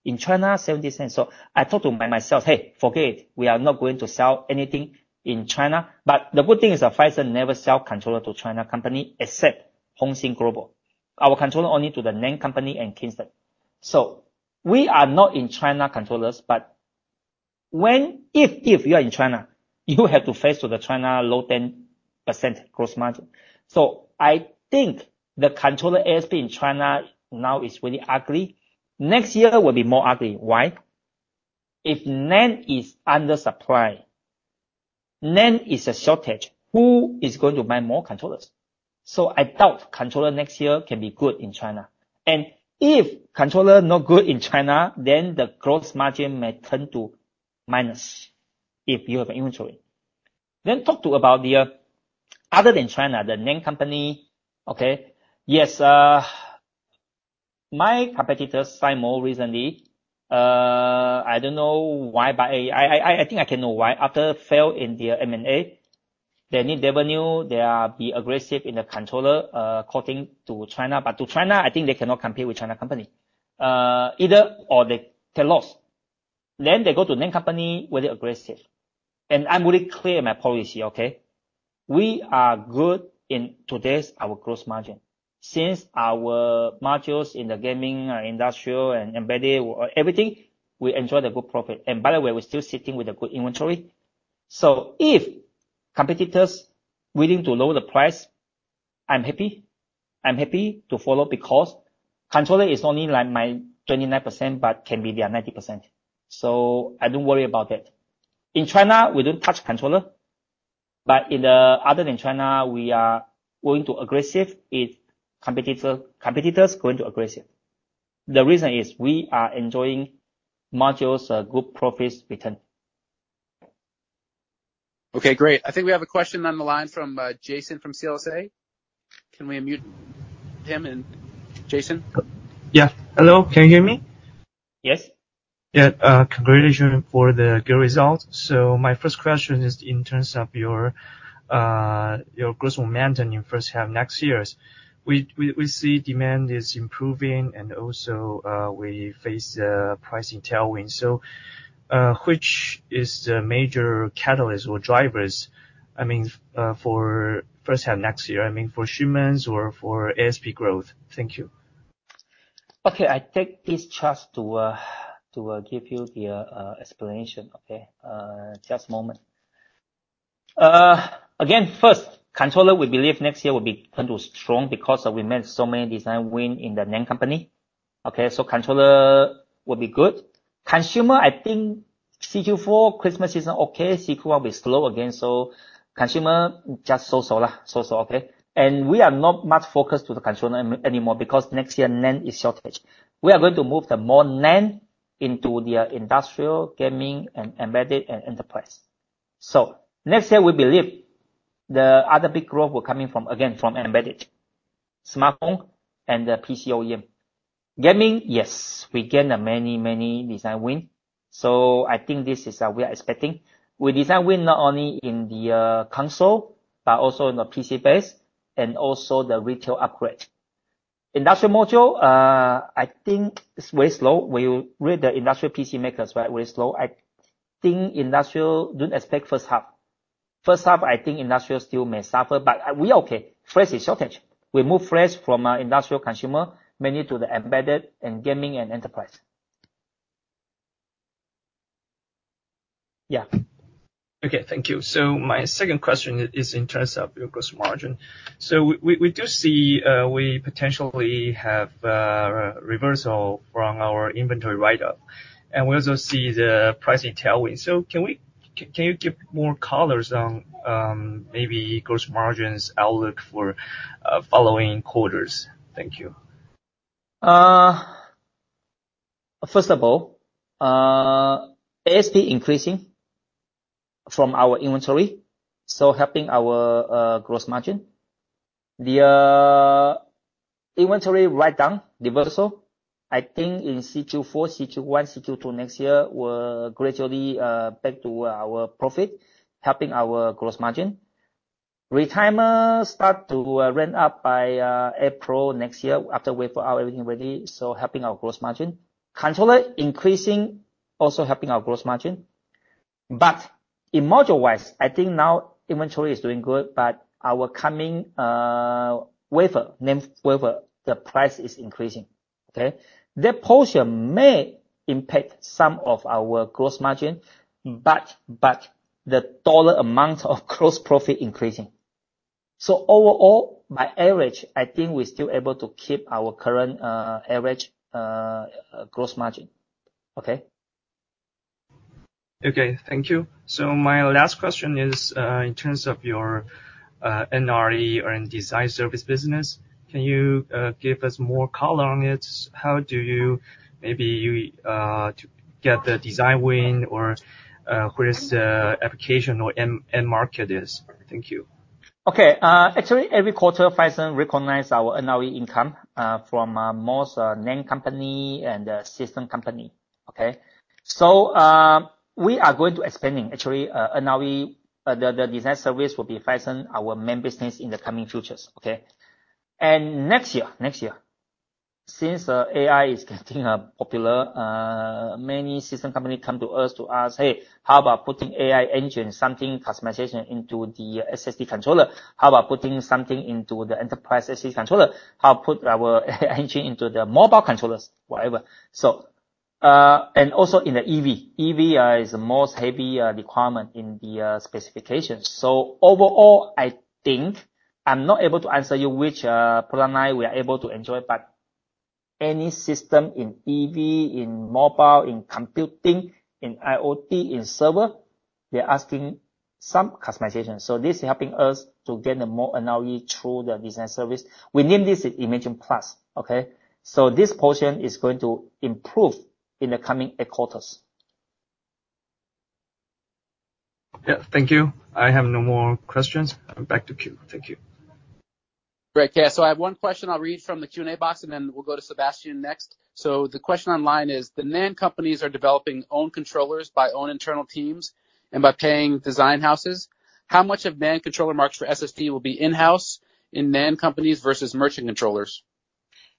C: In China, $0.70. So I thought to myself, "Hey, forget it. We are not going to sell anything in China." But the good thing is that Phison never sell controller to China Company, except Hosin Global. Our controller only to the NAND company and Kingston. So we are not in China controllers, but if, if you are in China, you have to face to the China low 10% gross margin. So I think the controller ASP in China now is really ugly. Next year will be more ugly. Why? If NAND is under supply, NAND is a shortage, who is going to buy more controllers? So I doubt controller next year can be good in China, and if controller not good in China, then the gross margin may turn to minus, if you have inventory. Then talk about the other than China, the NAND company, okay? Yes, my competitors sign more recently, I don't know why, but I think I can know why. After fail in their M&A, they need revenue, they are be aggressive in the controller, according to China. But to China, I think they cannot compete with Chinese company, either or they take loss. Then they go to main company very aggressive. I'm really clear my policy, okay? We are good in today's our gross margin. Since our modules in the gaming, industrial, and embedded, everything, we enjoy the good profit. By the way, we're still sitting with a good inventory. So if competitors willing to lower the price, I'm happy. I'm happy to follow, because controller is only like my 29%, but can be their 90%, so I don't worry about that. In China, we don't touch controller, but in other than China, we are going to aggressive if competitor, competitors going to aggressive. The reason is we are enjoying modules, good profits return.
D: Okay, great. I think we have a question on the line from Jason from CLSA. Can we unmute him in? Jason.
E: Yeah. Hello, can you hear me?
C: Yes.
E: Yeah, congratulations for the good results. So my first question is in terms of your gross margin in first half next year. We see demand is improving and also we face a pricing tailwind. So which is the major catalyst or drivers, I mean, for first half next year, I mean, for H1 or for ASP growth? Thank you.
C: Okay, I take this chance to give you the explanation, okay? Just a moment. Again, first, controller, we believe next year will be turned to strong because we made so many design win in the main company. Okay, so controller will be good. Consumer, I think Q4, Christmas is okay. C1 will be slow again, so consumer, just so-so, so-so, okay? And we are not much focused to the consumer anymore, because next year, NAND is shortage. We are going to move the more NAND into the industrial, gaming, and embedded, and enterprise. So next year, we believe the other big growth will coming from, again, from embedded, smartphone and the PC OEM. Gaming, yes, we gain many, many design win, so I think this is, we are expecting. We design-win not only in the console, but also in the PC base and also the retail upgrade. Industrial module, I think it's very slow. We read the industrial PC makers, right? Very slow. I think industrial don't expect first half. First half, I think industrial still may suffer, but we okay. Flash is shortage. We move flash from our industrial consumer, mainly to the embedded, and gaming, and enterprise. Yeah.
E: Okay, thank you. So my second question is in terms of your gross margin. So we do see we potentially have a reversal from our inventory write-up, and we also see the pricing tailwind. So can you give more colors on maybe gross margins outlook for following quarters? Thank you.
C: First of all, ASP increasing from our inventory, so helping our gross margin. The inventory write-down reversal, I think in CY 2024, CY 2021, CY 2022 next year, will gradually back to our profit, helping our gross margin. Retimer start to ramp up by April next year, after wait for our everything ready, so helping our gross margin. Controller increasing, also helping our gross margin. But in module wise, I think now inventory is doing good, but our coming wafer, NAND wafer, the price is increasing, okay? That portion may impact some of our gross margin, but, but the dollar amount of gross profit increasing. So overall, by average, I think we're still able to keep our current average gross margin. Okay?
E: Okay, thank you. So my last question is, in terms of your NRE or in design service business, can you give us more color on it? How do you... Maybe you to get the design win or, where is the application or end market is? Thank you.
C: Okay. Actually, every quarter, Phison recognize our NRE income from most NAND company and system company. Okay? So, we are going to expanding. Actually, NRE, the design service will be Phison, our main business in the coming futures, okay? And next year, next year, since AI is getting popular, many system company come to us to ask, "Hey, how about putting AI engine, something customization into the SSD controller? How about putting something into the enterprise SSD controller? How put our AI engine into the mobile controllers?" Whatever. So, and also in the EV. EV is the most heavy requirement in the specifications. So overall, I think I'm not able to answer you which product line we are able to enjoy, but any system in EV, in mobile, in computing, in IoT, in server, they're asking some customization. So this is helping us to gain a more NRE through the design service. We name this IMAGIN+, okay? So this portion is going to improve in the coming eight quarters.
E: Yeah. Thank you. I have no more questions. Back to queue. Thank you.
D: Great. Yeah. So I have one question I'll read from the Q&A box, and then we'll go to Sebastian next. So the question online is: The NAND companies are developing own controllers by own internal teams and by paying design houses. How much of NAND controller market for SSD will be in-house in NAND companies versus merchant controllers?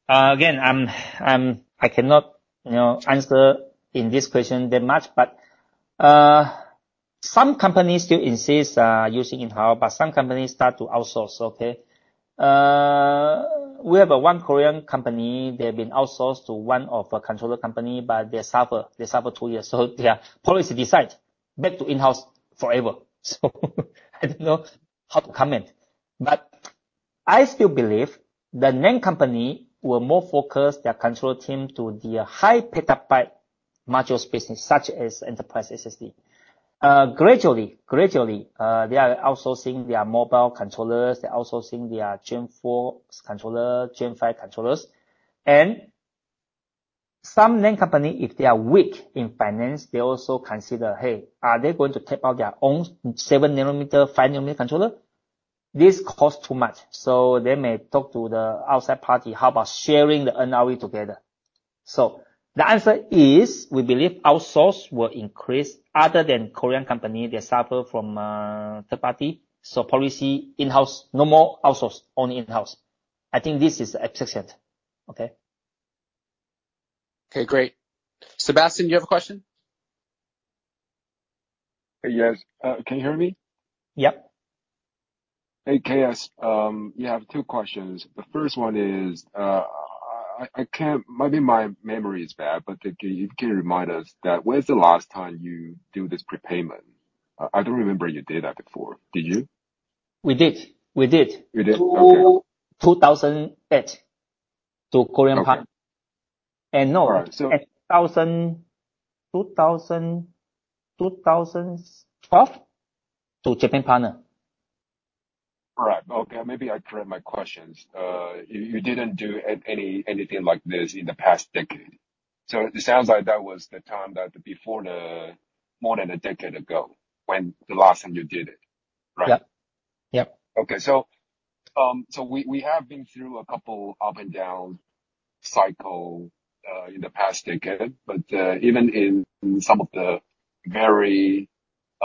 C: Again, I'm, I cannot, you know, answer in this question that much, but, some companies still insist using in-house, but some companies start to outsource, okay? We have one Korean company, they've been outsourced to one of a controller company, but they suffer, they suffer 2 years. So their policy decide back to in-house forever. So I don't know how to comment, but I still believe the main company will more focus their controller team to the high petabyte modules business, such as Enterprise SSD. Gradually, gradually, they are outsourcing their mobile controllers, they're outsourcing their Gen 4 controllers, Gen 5 controllers. And some name company, if they are weak in finance, they also consider, "Hey, are they going to take out their own 7-nanometer, 5-nanometer controller?" This costs too much, so they may talk to the outside party. How about sharing the NRE together? So the answer is, we believe outsource will increase other than Korean company, they suffer from, third party. So policy in-house, no more outsource, only in-house. I think this is exact set. Okay?
D: Okay, great. Sebastian, do you have a question?
A: Yes. Can you hear me?
D: Yep.
A: Hey, KS. You have two questions. The first one is, maybe my memory is bad, but can you remind us that when is the last time you do this prepayment? I don't remember you did that before. Did you?
C: We did. We did.
A: You did? Okay.
C: 2008 to Korean partner.
A: Okay.
C: And no-
A: All right. So-
C: At NTD 1,000, NTD 2,000, NTD 2,012 to Japan partner.
A: Right. Okay, maybe I framed my questions. You didn't do anything like this in the past decade. So it sounds like that was the time that before the more than a decade ago, when the last time you did it, right?
C: Yeah. Yep.
A: Okay. So we have been through a couple up and down cycle in the past decade, but even in some of the very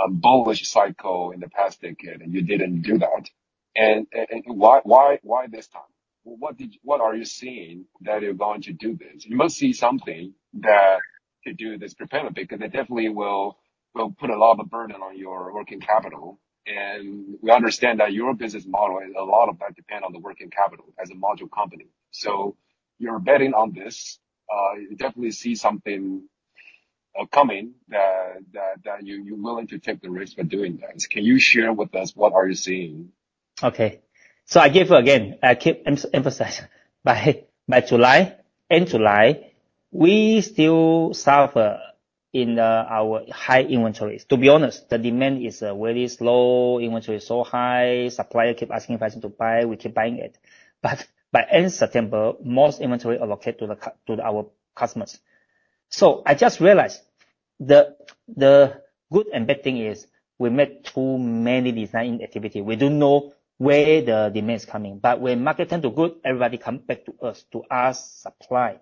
A: bullish cycle in the past decade, and you didn't do that. And why, why this time? What are you seeing that you're going to do this? You must see something to do this prepayment, because it definitely will put a lot of burden on your working capital. And we understand that your business model, a lot of that depend on the working capital as a module company. So you're betting on this, you definitely see something coming that you're willing to take the risk by doing this. Can you share with us what are you seeing?
C: Okay. So I give again, I keep emphasize by, by July, end July, we still suffer in our high inventories. To be honest, the demand is very slow, inventory is so high, supplier keep asking prices to buy, we keep buying it. But by end September, most inventory allocate to the to our customers. So I just realized the good and bad thing is, we made too many designing activity. We don't know where the demand is coming, but when market turn to good, everybody come back to us to ask supply.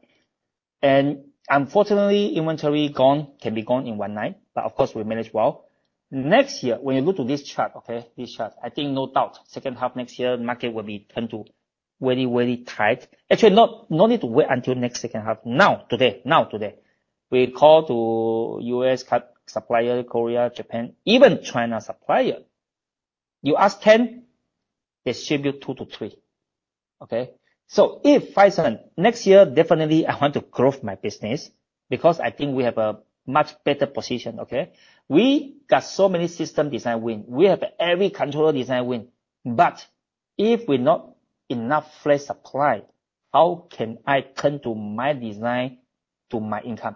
C: And unfortunately, inventory gone, can be gone in one night, but of course, we manage well. Next year, when you go to this chart, okay, this chart, I think no doubt, second half next year, market will be turned to very, very tight. Actually, no need to wait until next second half. Today, we call to US supplier, Korea, Japan, even China supplier. You ask 10, they ship you 2-3. Okay? So if Phison, next year, definitely I want to grow my business because I think we have a much better position, okay? We got so many system design-win. We have every controller design-win, but if we not enough flash supply, how can I turn to my design to my income?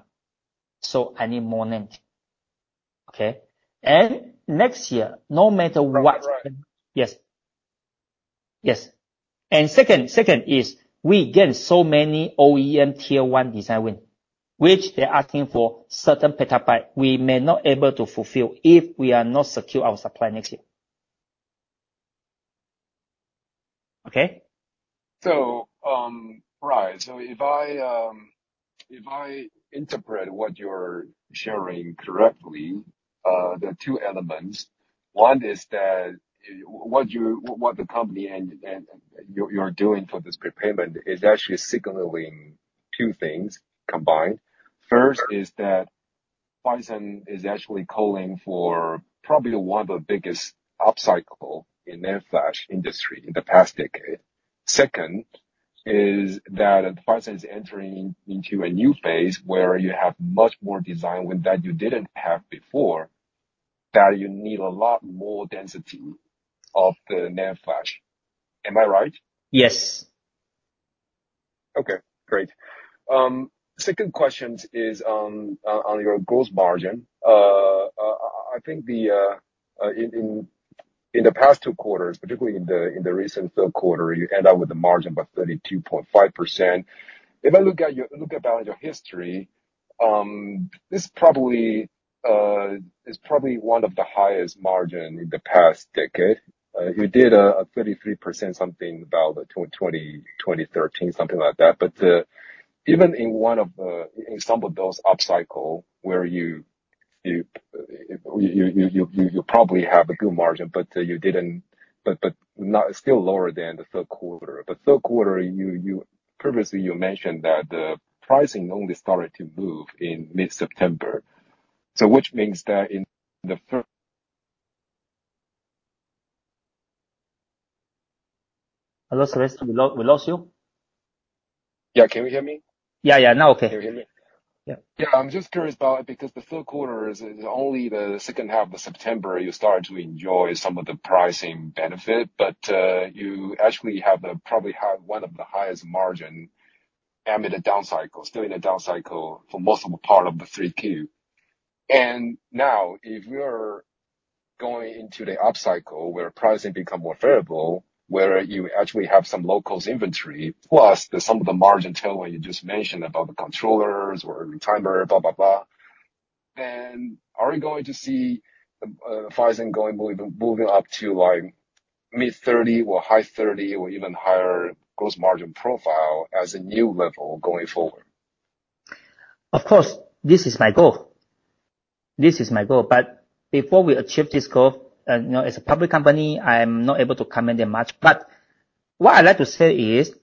C: So I need more NAND, okay? And next year, no matter what-
A: Right.
C: Yes. Yes. And second, second is, we get so many OEM tier one design win, which they're asking for certain petabyte, we may not able to fulfill if we are not secure our supply next year. Okay?
A: So, right. So if I, if I interpret what you're sharing correctly, there are two elements. One is that what the company and you're doing for this prepayment is actually signaling two things combined.
C: Okay.
A: First, is that Phison is actually calling for probably one of the biggest upcycle in NAND Flash industry in the past decade. Second, is that Phison is entering into a new phase where you have much more design win that you didn't have before, that you need a lot more density of the NAND Flash. Am I right?
C: Yes.
A: Okay, great. Second question is on your gross margin. I think in the past two quarters, particularly in the recent third quarter, you end up with a margin about 32.5%. If I look at your history, this probably is probably one of the highest margin in the past decade. You did a 33%, something about 2013, something like that. But even in one of the in some of those upcycle where you probably have a good margin, but you didn't, but not still lower than the third quarter. The third quarter, you previously mentioned that the pricing only started to move in mid-September. So which means that in the third-
C: Hello, Sebastian, we lost you?
A: Yeah. Can you hear me?
C: Yeah, yeah. Now, okay.
A: Can you hear me?
C: Yeah.
A: Yeah. I'm just curious about, because the third quarter is only the second half of September, you started to enjoy some of the pricing benefit, but you actually have, probably have one of the highest margins in a downcycle, still in a downcycle for most of the part of the three Q. And now, if you're going into the upcycle, where pricing become more favorable, where you actually have some low inventory, plus there's some of the margin tail that you just mentioned about the controllers or retimer, blah, blah, blah. And are we going to see pricing moving up to like mid-thirty or high thirty, or even higher gross margin profile as a new level going forward?
C: Of course, this is my goal. This is my goal. But before we achieve this goal, and, you know, as a public company, I'm not able to comment that much. But what I'd like to say is,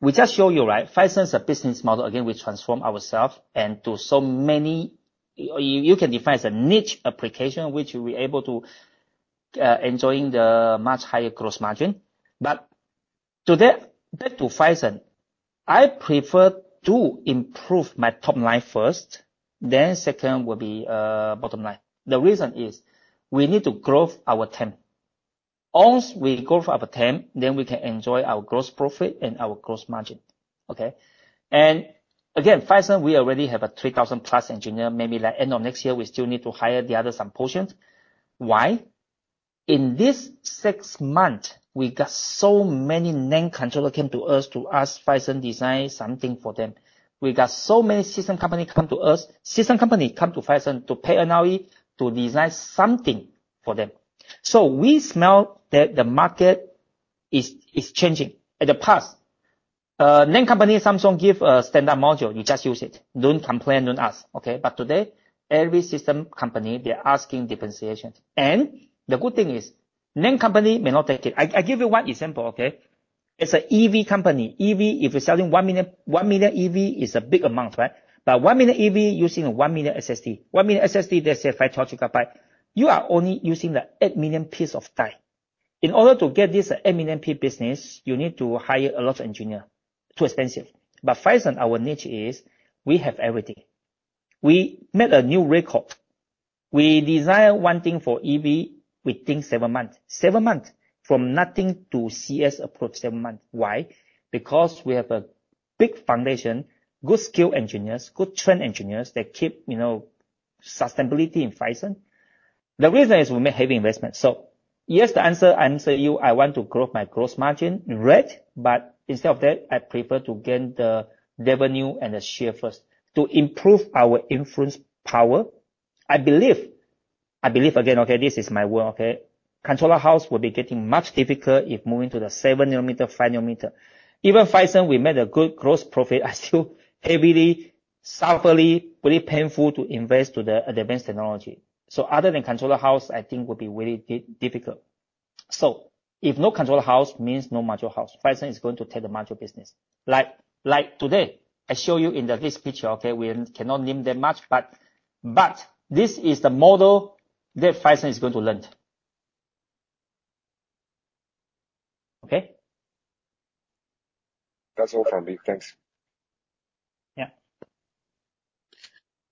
C: we just show you, right? Phison's a business model. Again, we transform ourselves and to so many... You, you can define as a niche application, which we're able to, enjoying the much higher gross margin. But today, back to Phison, I prefer to improve my top line first, then second will be, bottom line. The reason is, we need to grow our team. Once we grow our team, then we can enjoy our gross profit and our gross margin. Okay? And again, Phison, we already have a 3,000+ engineers. Maybe like end of next year, we still need to hire the other some portions. Why? In this six-month, we got so many NAND controller came to us to ask Phison design something for them. We got so many system company come to us, system company come to Phison to pay NRE, to design something for them. So we smell that the market is changing. In the past, NAND company, Samsung, give a standard module, you just use it. Don't complain, don't ask, okay? But today, every system company, they're asking differentiations. And the good thing is, NAND company may not take it. I give you one example, okay? It's a EV company. EV, if you're selling 1 million, 1 million EV is a big amount, right? But 1 million EV using a 1 million SSD. 1 million SSD, let's say 5 trillion byte. You are only using the 8 million piece of die. In order to get this 8 million P business, you need to hire a lot of engineer. Too expensive. But Phison, our niche is, we have everything. We made a new record. We design one thing for EV, we think 7 months. 7 months from nothing to CS approach, 7 months. Why? Because we have a big foundation, good skill engineers, good trained engineers that keep, you know, sustainability in Phison. The reason is we make heavy investment. So yes, the answer, answer you, I want to grow my gross margin, right? But instead of that, I prefer to gain the revenue and the share first to improve our influence power. I believe, I believe again, okay, this is my world, okay? Controller house will be getting much difficult if moving to the 7 nanometer, 5 nanometer. Even Phison, we made a good gross profit, are still heavily, severely, very painful to invest to the advanced technology. So other than controller house, I think will be very difficult. So if no controller house, means no module house. Phison is going to take the module business. Like today, I show you in this picture, okay? We cannot name that much, but this is the model that Phison is going to learn. Okay?
A: That's all for me. Thanks.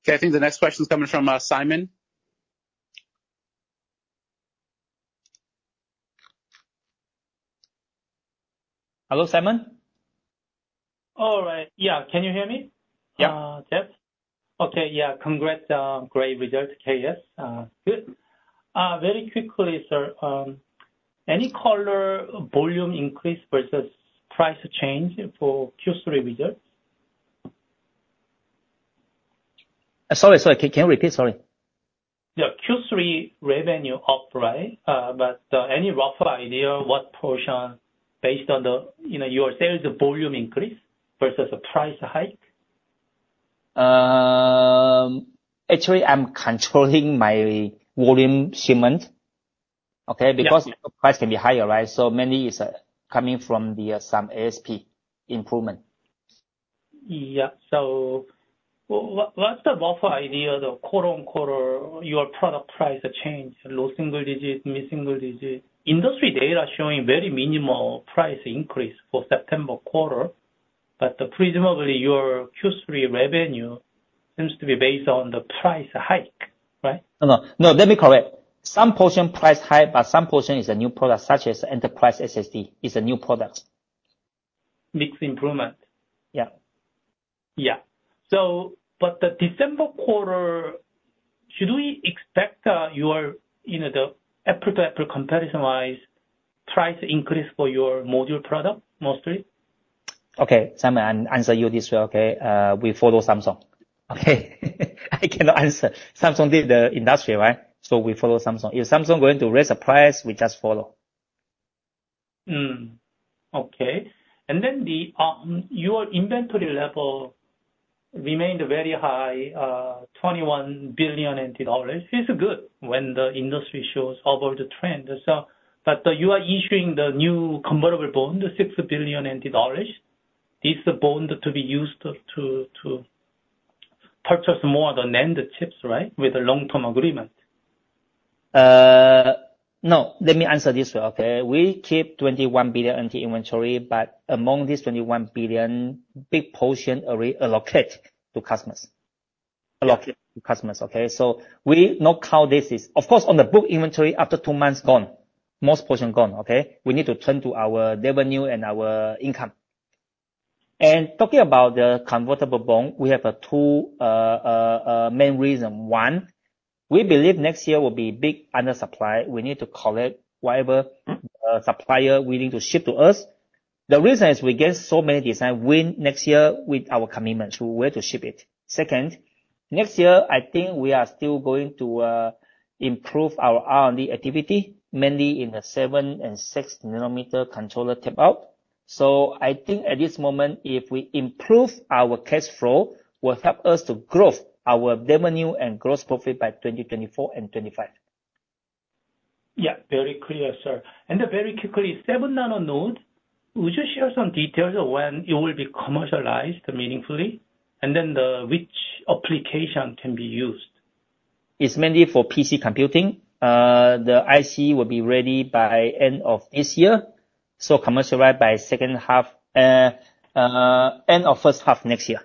C: Yeah.
D: Okay, I think the next question is coming from, Simon. Hello, Simon?
F: All right. Yeah. Can you hear me?
D: Yeah.
F: Yes. Okay, yeah. Congrats, great results, K.S. Good. Very quickly, sir, any color, volume increase versus price change for Q3 results?
C: Sorry, sorry. Can you repeat? Sorry.
F: Yeah. Q3 revenue up, right? But, any rough idea what portion, based on the, you know, your sales volume increase versus a price hike?
C: Actually, I'm controlling my volume shipment. Okay?
F: Yeah.
C: Because price can be higher, right? So mainly it's coming from the some ASP improvement.
F: Yeah. So what, what's the rough idea, the quarter-on-quarter, your product price change, low single digit, mid single digit? Industry data showing very minimal price increase for September quarter, but presumably, your Q3 revenue seems to be based on the price hike, right?
C: No, no. No, that be correct. Some portion price hike, but some portion is a new product, such as Enterprise SSD is a new product.
F: Mixed improvement?
C: Yeah.
F: Yeah. So, but the December quarter, should we expect, your, you know, the apple-to-apple comparison-wise, price increase for your module product, mostly?
C: Okay, Simon, I'll answer you this way, okay? We follow Samsung. Okay, I cannot answer. Samsung did the industry, right? So we follow Samsung. If Samsung going to raise the price, we just follow....
F: Mm-hmm. Okay. And then your inventory level remained very high, NTD 21 billion. It's good when the industry shows over the trend. So, but you are issuing the new convertible bond, the NTD 6 billion. Is the bond to be used to purchase more of the NAND chips, right? With a long-term agreement.
C: No. Let me answer this way, okay? We keep NTD 21 billion inventory, but among these 21 billion, big portion reallocate to customers. Allocate to customers, okay? So we know how this is. Of course, on the book inventory, after two months, gone. Most portion gone, okay? We need to turn to our revenue and our income. Talking about the convertible bond, we have two main reason. One, we believe next year will be big under supply. We need to collect whatever-
F: Mm-hmm.
C: Supplier willing to ship to us. The reason is we get so many design-win next year with our commitments, where to ship it. Second, next year, I think we are still going to improve our R&D activity, mainly in the 7 and 6 nanometer controller tape-out. So I think at this moment, if we improve our cash flow, will help us to growth our revenue and gross profit by 2024 and 2025.
F: Yeah, very clear, sir. And then very quickly, 7-nanometer, would you share some details of when it will be commercialized meaningfully, and then, which application can be used?
C: It's mainly for PC computing. The IC will be ready by end of this year, so commercialized by second half, end of first half next year.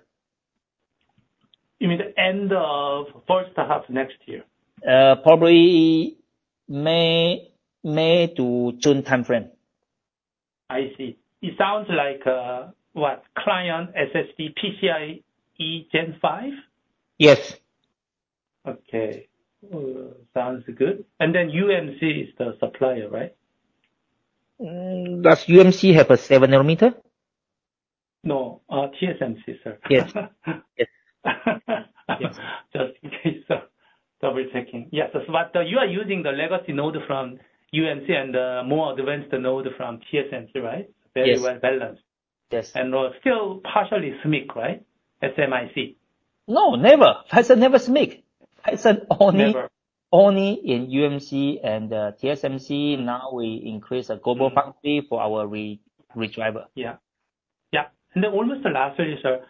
F: You mean the end of first half next year?
C: Probably May, May to June timeframe.
F: I see. It sounds like, what? Client SSD PCIe Gen 5?
C: Yes.
F: Okay. Sounds good. And then UMC is the supplier, right?
C: Does UMC have a 7 nanometer?
F: No. TSMC, sir.
C: Yes. Yes.
F: Just in case, double checking. Yes, but you are using the legacy node from UMC and more advanced node from TSMC, right?
C: Yes.
F: Very well balanced.
C: Yes.
F: Still partially SMIC, right? SMIC.
C: No, never! Phison never SMIC. Phison-
F: Never.
C: Only, only in UMC and TSMC. Now, we increase the global factory for our Redriver.
F: Yeah. Yeah, and then almost the last one, sir.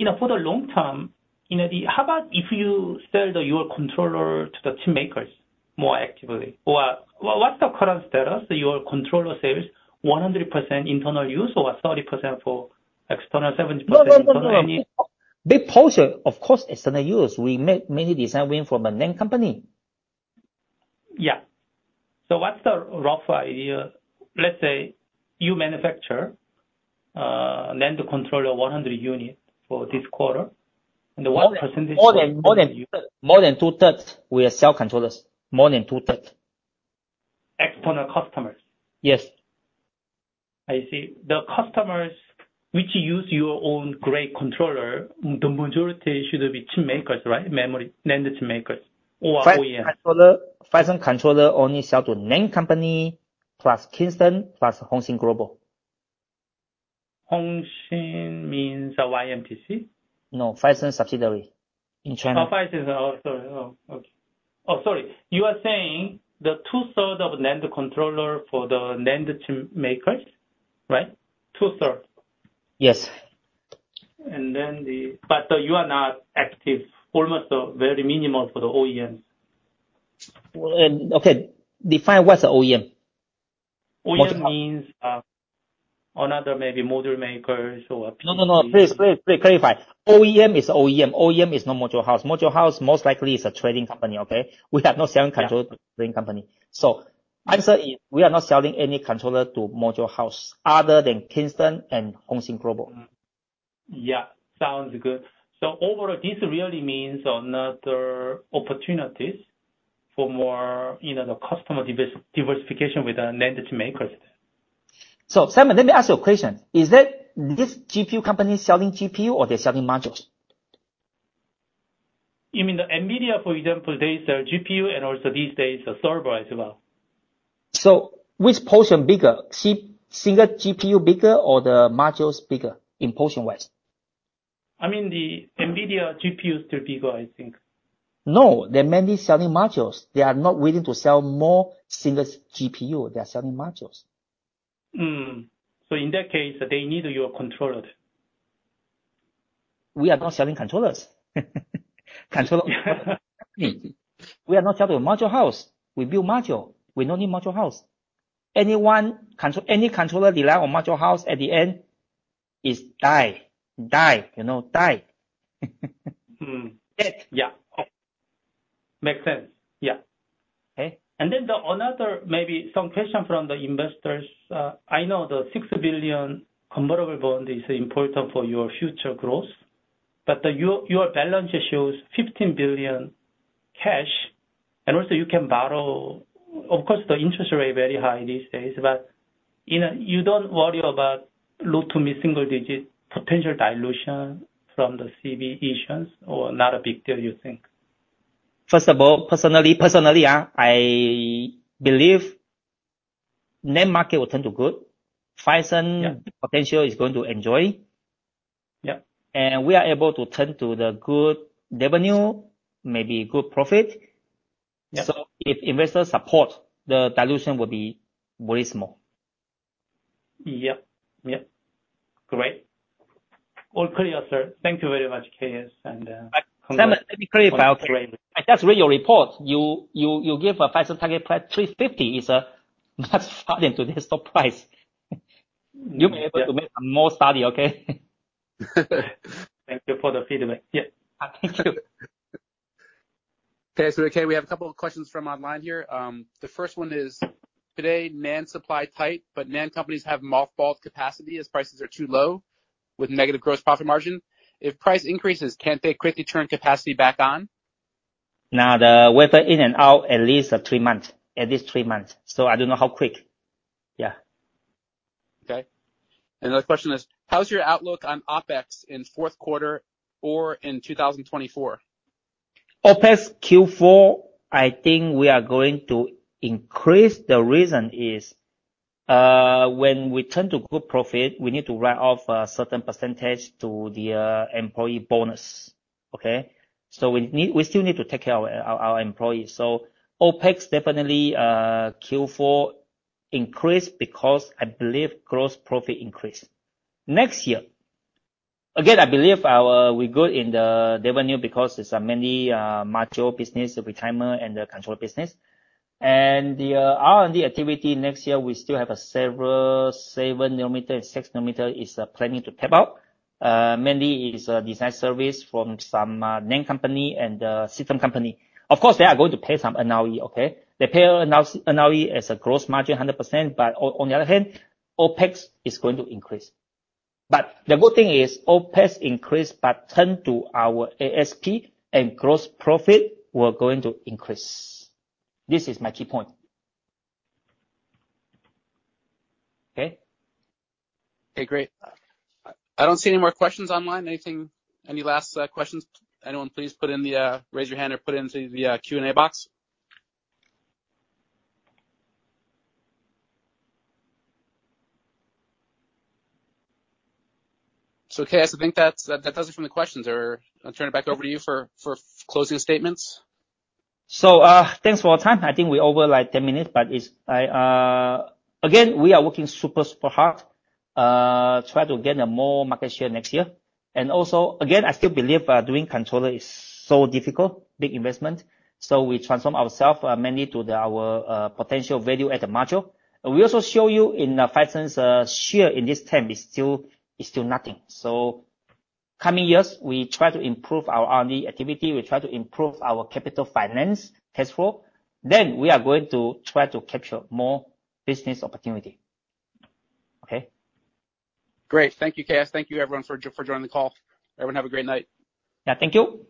F: You know, for the long term, you know, the... How about if you sell the, your controller to the chipmakers more actively? Or what, what's the current status, your controller sales, 100% internal use or 30% for external, 70%-
C: No, no, no, no.
F: I mean-
C: Big portion, of course, external use. We make many design-win from a named company.
F: Yeah. So what's the rough idea? Let's say you manufacture NAND controller, 100 unit for this quarter, and what percentage-
C: More than two thirds, we sell controllers. More than two thirds.
F: External customers?
C: Yes.
F: I see. The customers which use your own grade controller, the majority should be chipmakers, right? Memory, NAND chipmakers or OEM.
C: Phison controller, Phison controller only sell to main company, plus Kingston, plus Hosin Global.
F: Hosin means YMTC?
C: No, Phison subsidiary in China.
F: You are saying the two-thirds of NAND controller for the NAND chipmakers, right? Two-thirds.
C: Yes.
F: But you are not active, almost very minimal for the OEMs.
C: Well, okay, define what's OEM.
F: OEM means another maybe module maker or
C: No, no, no. Please, please, please clarify. OEM is OEM. OEM is not module house. Module house most likely is a trading company, okay? We have no selling controller-
F: Yeah.
C: Trading company. So answer is, we are not selling any controller to module house other than Kingston and Hosin Global.
F: Yeah, sounds good. So overall, this really means another opportunities for more, you know, the customer diversification with the NAND chipmakers.
C: Simon, let me ask you a question. Is that this GPU company selling GPU or they're selling modules?
F: You mean the NVIDIA, for example, there is a GPU and also these days, a server as well.
C: So which portion bigger, consumer GPU bigger or the modules bigger, in portion-wise?
F: I mean, the NVIDIA GPUs still bigger, I think.
C: No, they're mainly selling modules. They are not willing to sell more single GPU. They are selling modules.
F: So in that case, they need your controller.
C: We are not selling controllers. We are not selling to module house. We build module. We don't need module house. Any controller rely on module house at the end, is die, die. You know, die.
F: Hmm.
C: Dead.
F: Yeah. Makes sense. Yeah.
C: Okay.
F: Then another, maybe some question from the investors. I know the NTD 6 billion convertible bond is important for your future growth, but your balance shows NTD 15 billion cash, and also you can borrow. Of course, the interest rate very high these days, but you know, you don't worry about low- to mid-single-digit potential dilution from the CB issuance or not a big deal, you think? ...
C: First of all, personally, personally, I believe NAND market will turn to good. Phison-
B: Yeah.
C: Potential is going to enjoy.
B: Yeah.
C: We are able to turn to the good revenue, maybe good profit.
B: Yeah.
C: If investors support, the dilution will be very small.
B: Yep. Yep. Great. All clear, sir. Thank you very much, KS, and
C: Let me clarify. I just read your report. You give a Phison target price NTD 350 is much higher than today's stock price. You'll be able to make more study, okay?
B: Thank you for the feedback. Yeah.
C: Thank you.
D: Okay, so K, we have a couple of questions from online here. The first one is: Today, NAND supply tight, but NAND companies have mothballed capacity as prices are too low, with negative gross profit margin. If price increases, can they quickly turn capacity back on?
C: Now, the weather in and out, at least three months. At least three months, so I don't know how quick. Yeah.
D: Okay. Another question is: How's your outlook on OpEx in fourth quarter or in 2024?
C: OpEx Q4, I think we are going to increase. The reason is, when we turn to good profit, we need to write off a certain percentage to the employee bonus. Okay? So we still need to take care our employees. So OpEx definitely Q4 increase because I believe gross profit increase. Next year, again, I believe we're good in the revenue because there's many module business, retimer, and the control business. And the R&D activity next year, we still have several 7-nanometer and 6-nanometer is planning to tape out. Mainly is a design service from some name company and system company. Of course, they are going to pay some NRE, okay? They pay NRE as a gross margin 100%, but on the other hand, OpEx is going to increase. The good thing is, OpEx increase, but turn to our ASP and gross profit, we're going to increase. This is my key point. Okay?
D: Okay, great. I don't see any more questions online. Any last questions? Anyone, please raise your hand or put it into the Q&A box. So KS, I think that does it from the questions. I'll turn it back over to you for closing statements.
C: So, thanks for your time. I think we over, like, 10 minutes, but it's... Again, we are working super, super hard, try to gain a more market share next year. And also, again, I still believe, doing controller is so difficult, big investment, so we transform ourself, mainly to the our, potential value at the module. We also show you in the Phison's, share in this term is still, is still nothing. So coming years, we try to improve our R&D activity, we try to improve our capital finance cash flow, then we are going to try to capture more business opportunity. Okay?
D: Great. Thank you, K.S. Thank you, everyone, for joining the call. Everyone have a great night.
C: Yeah. Thank you.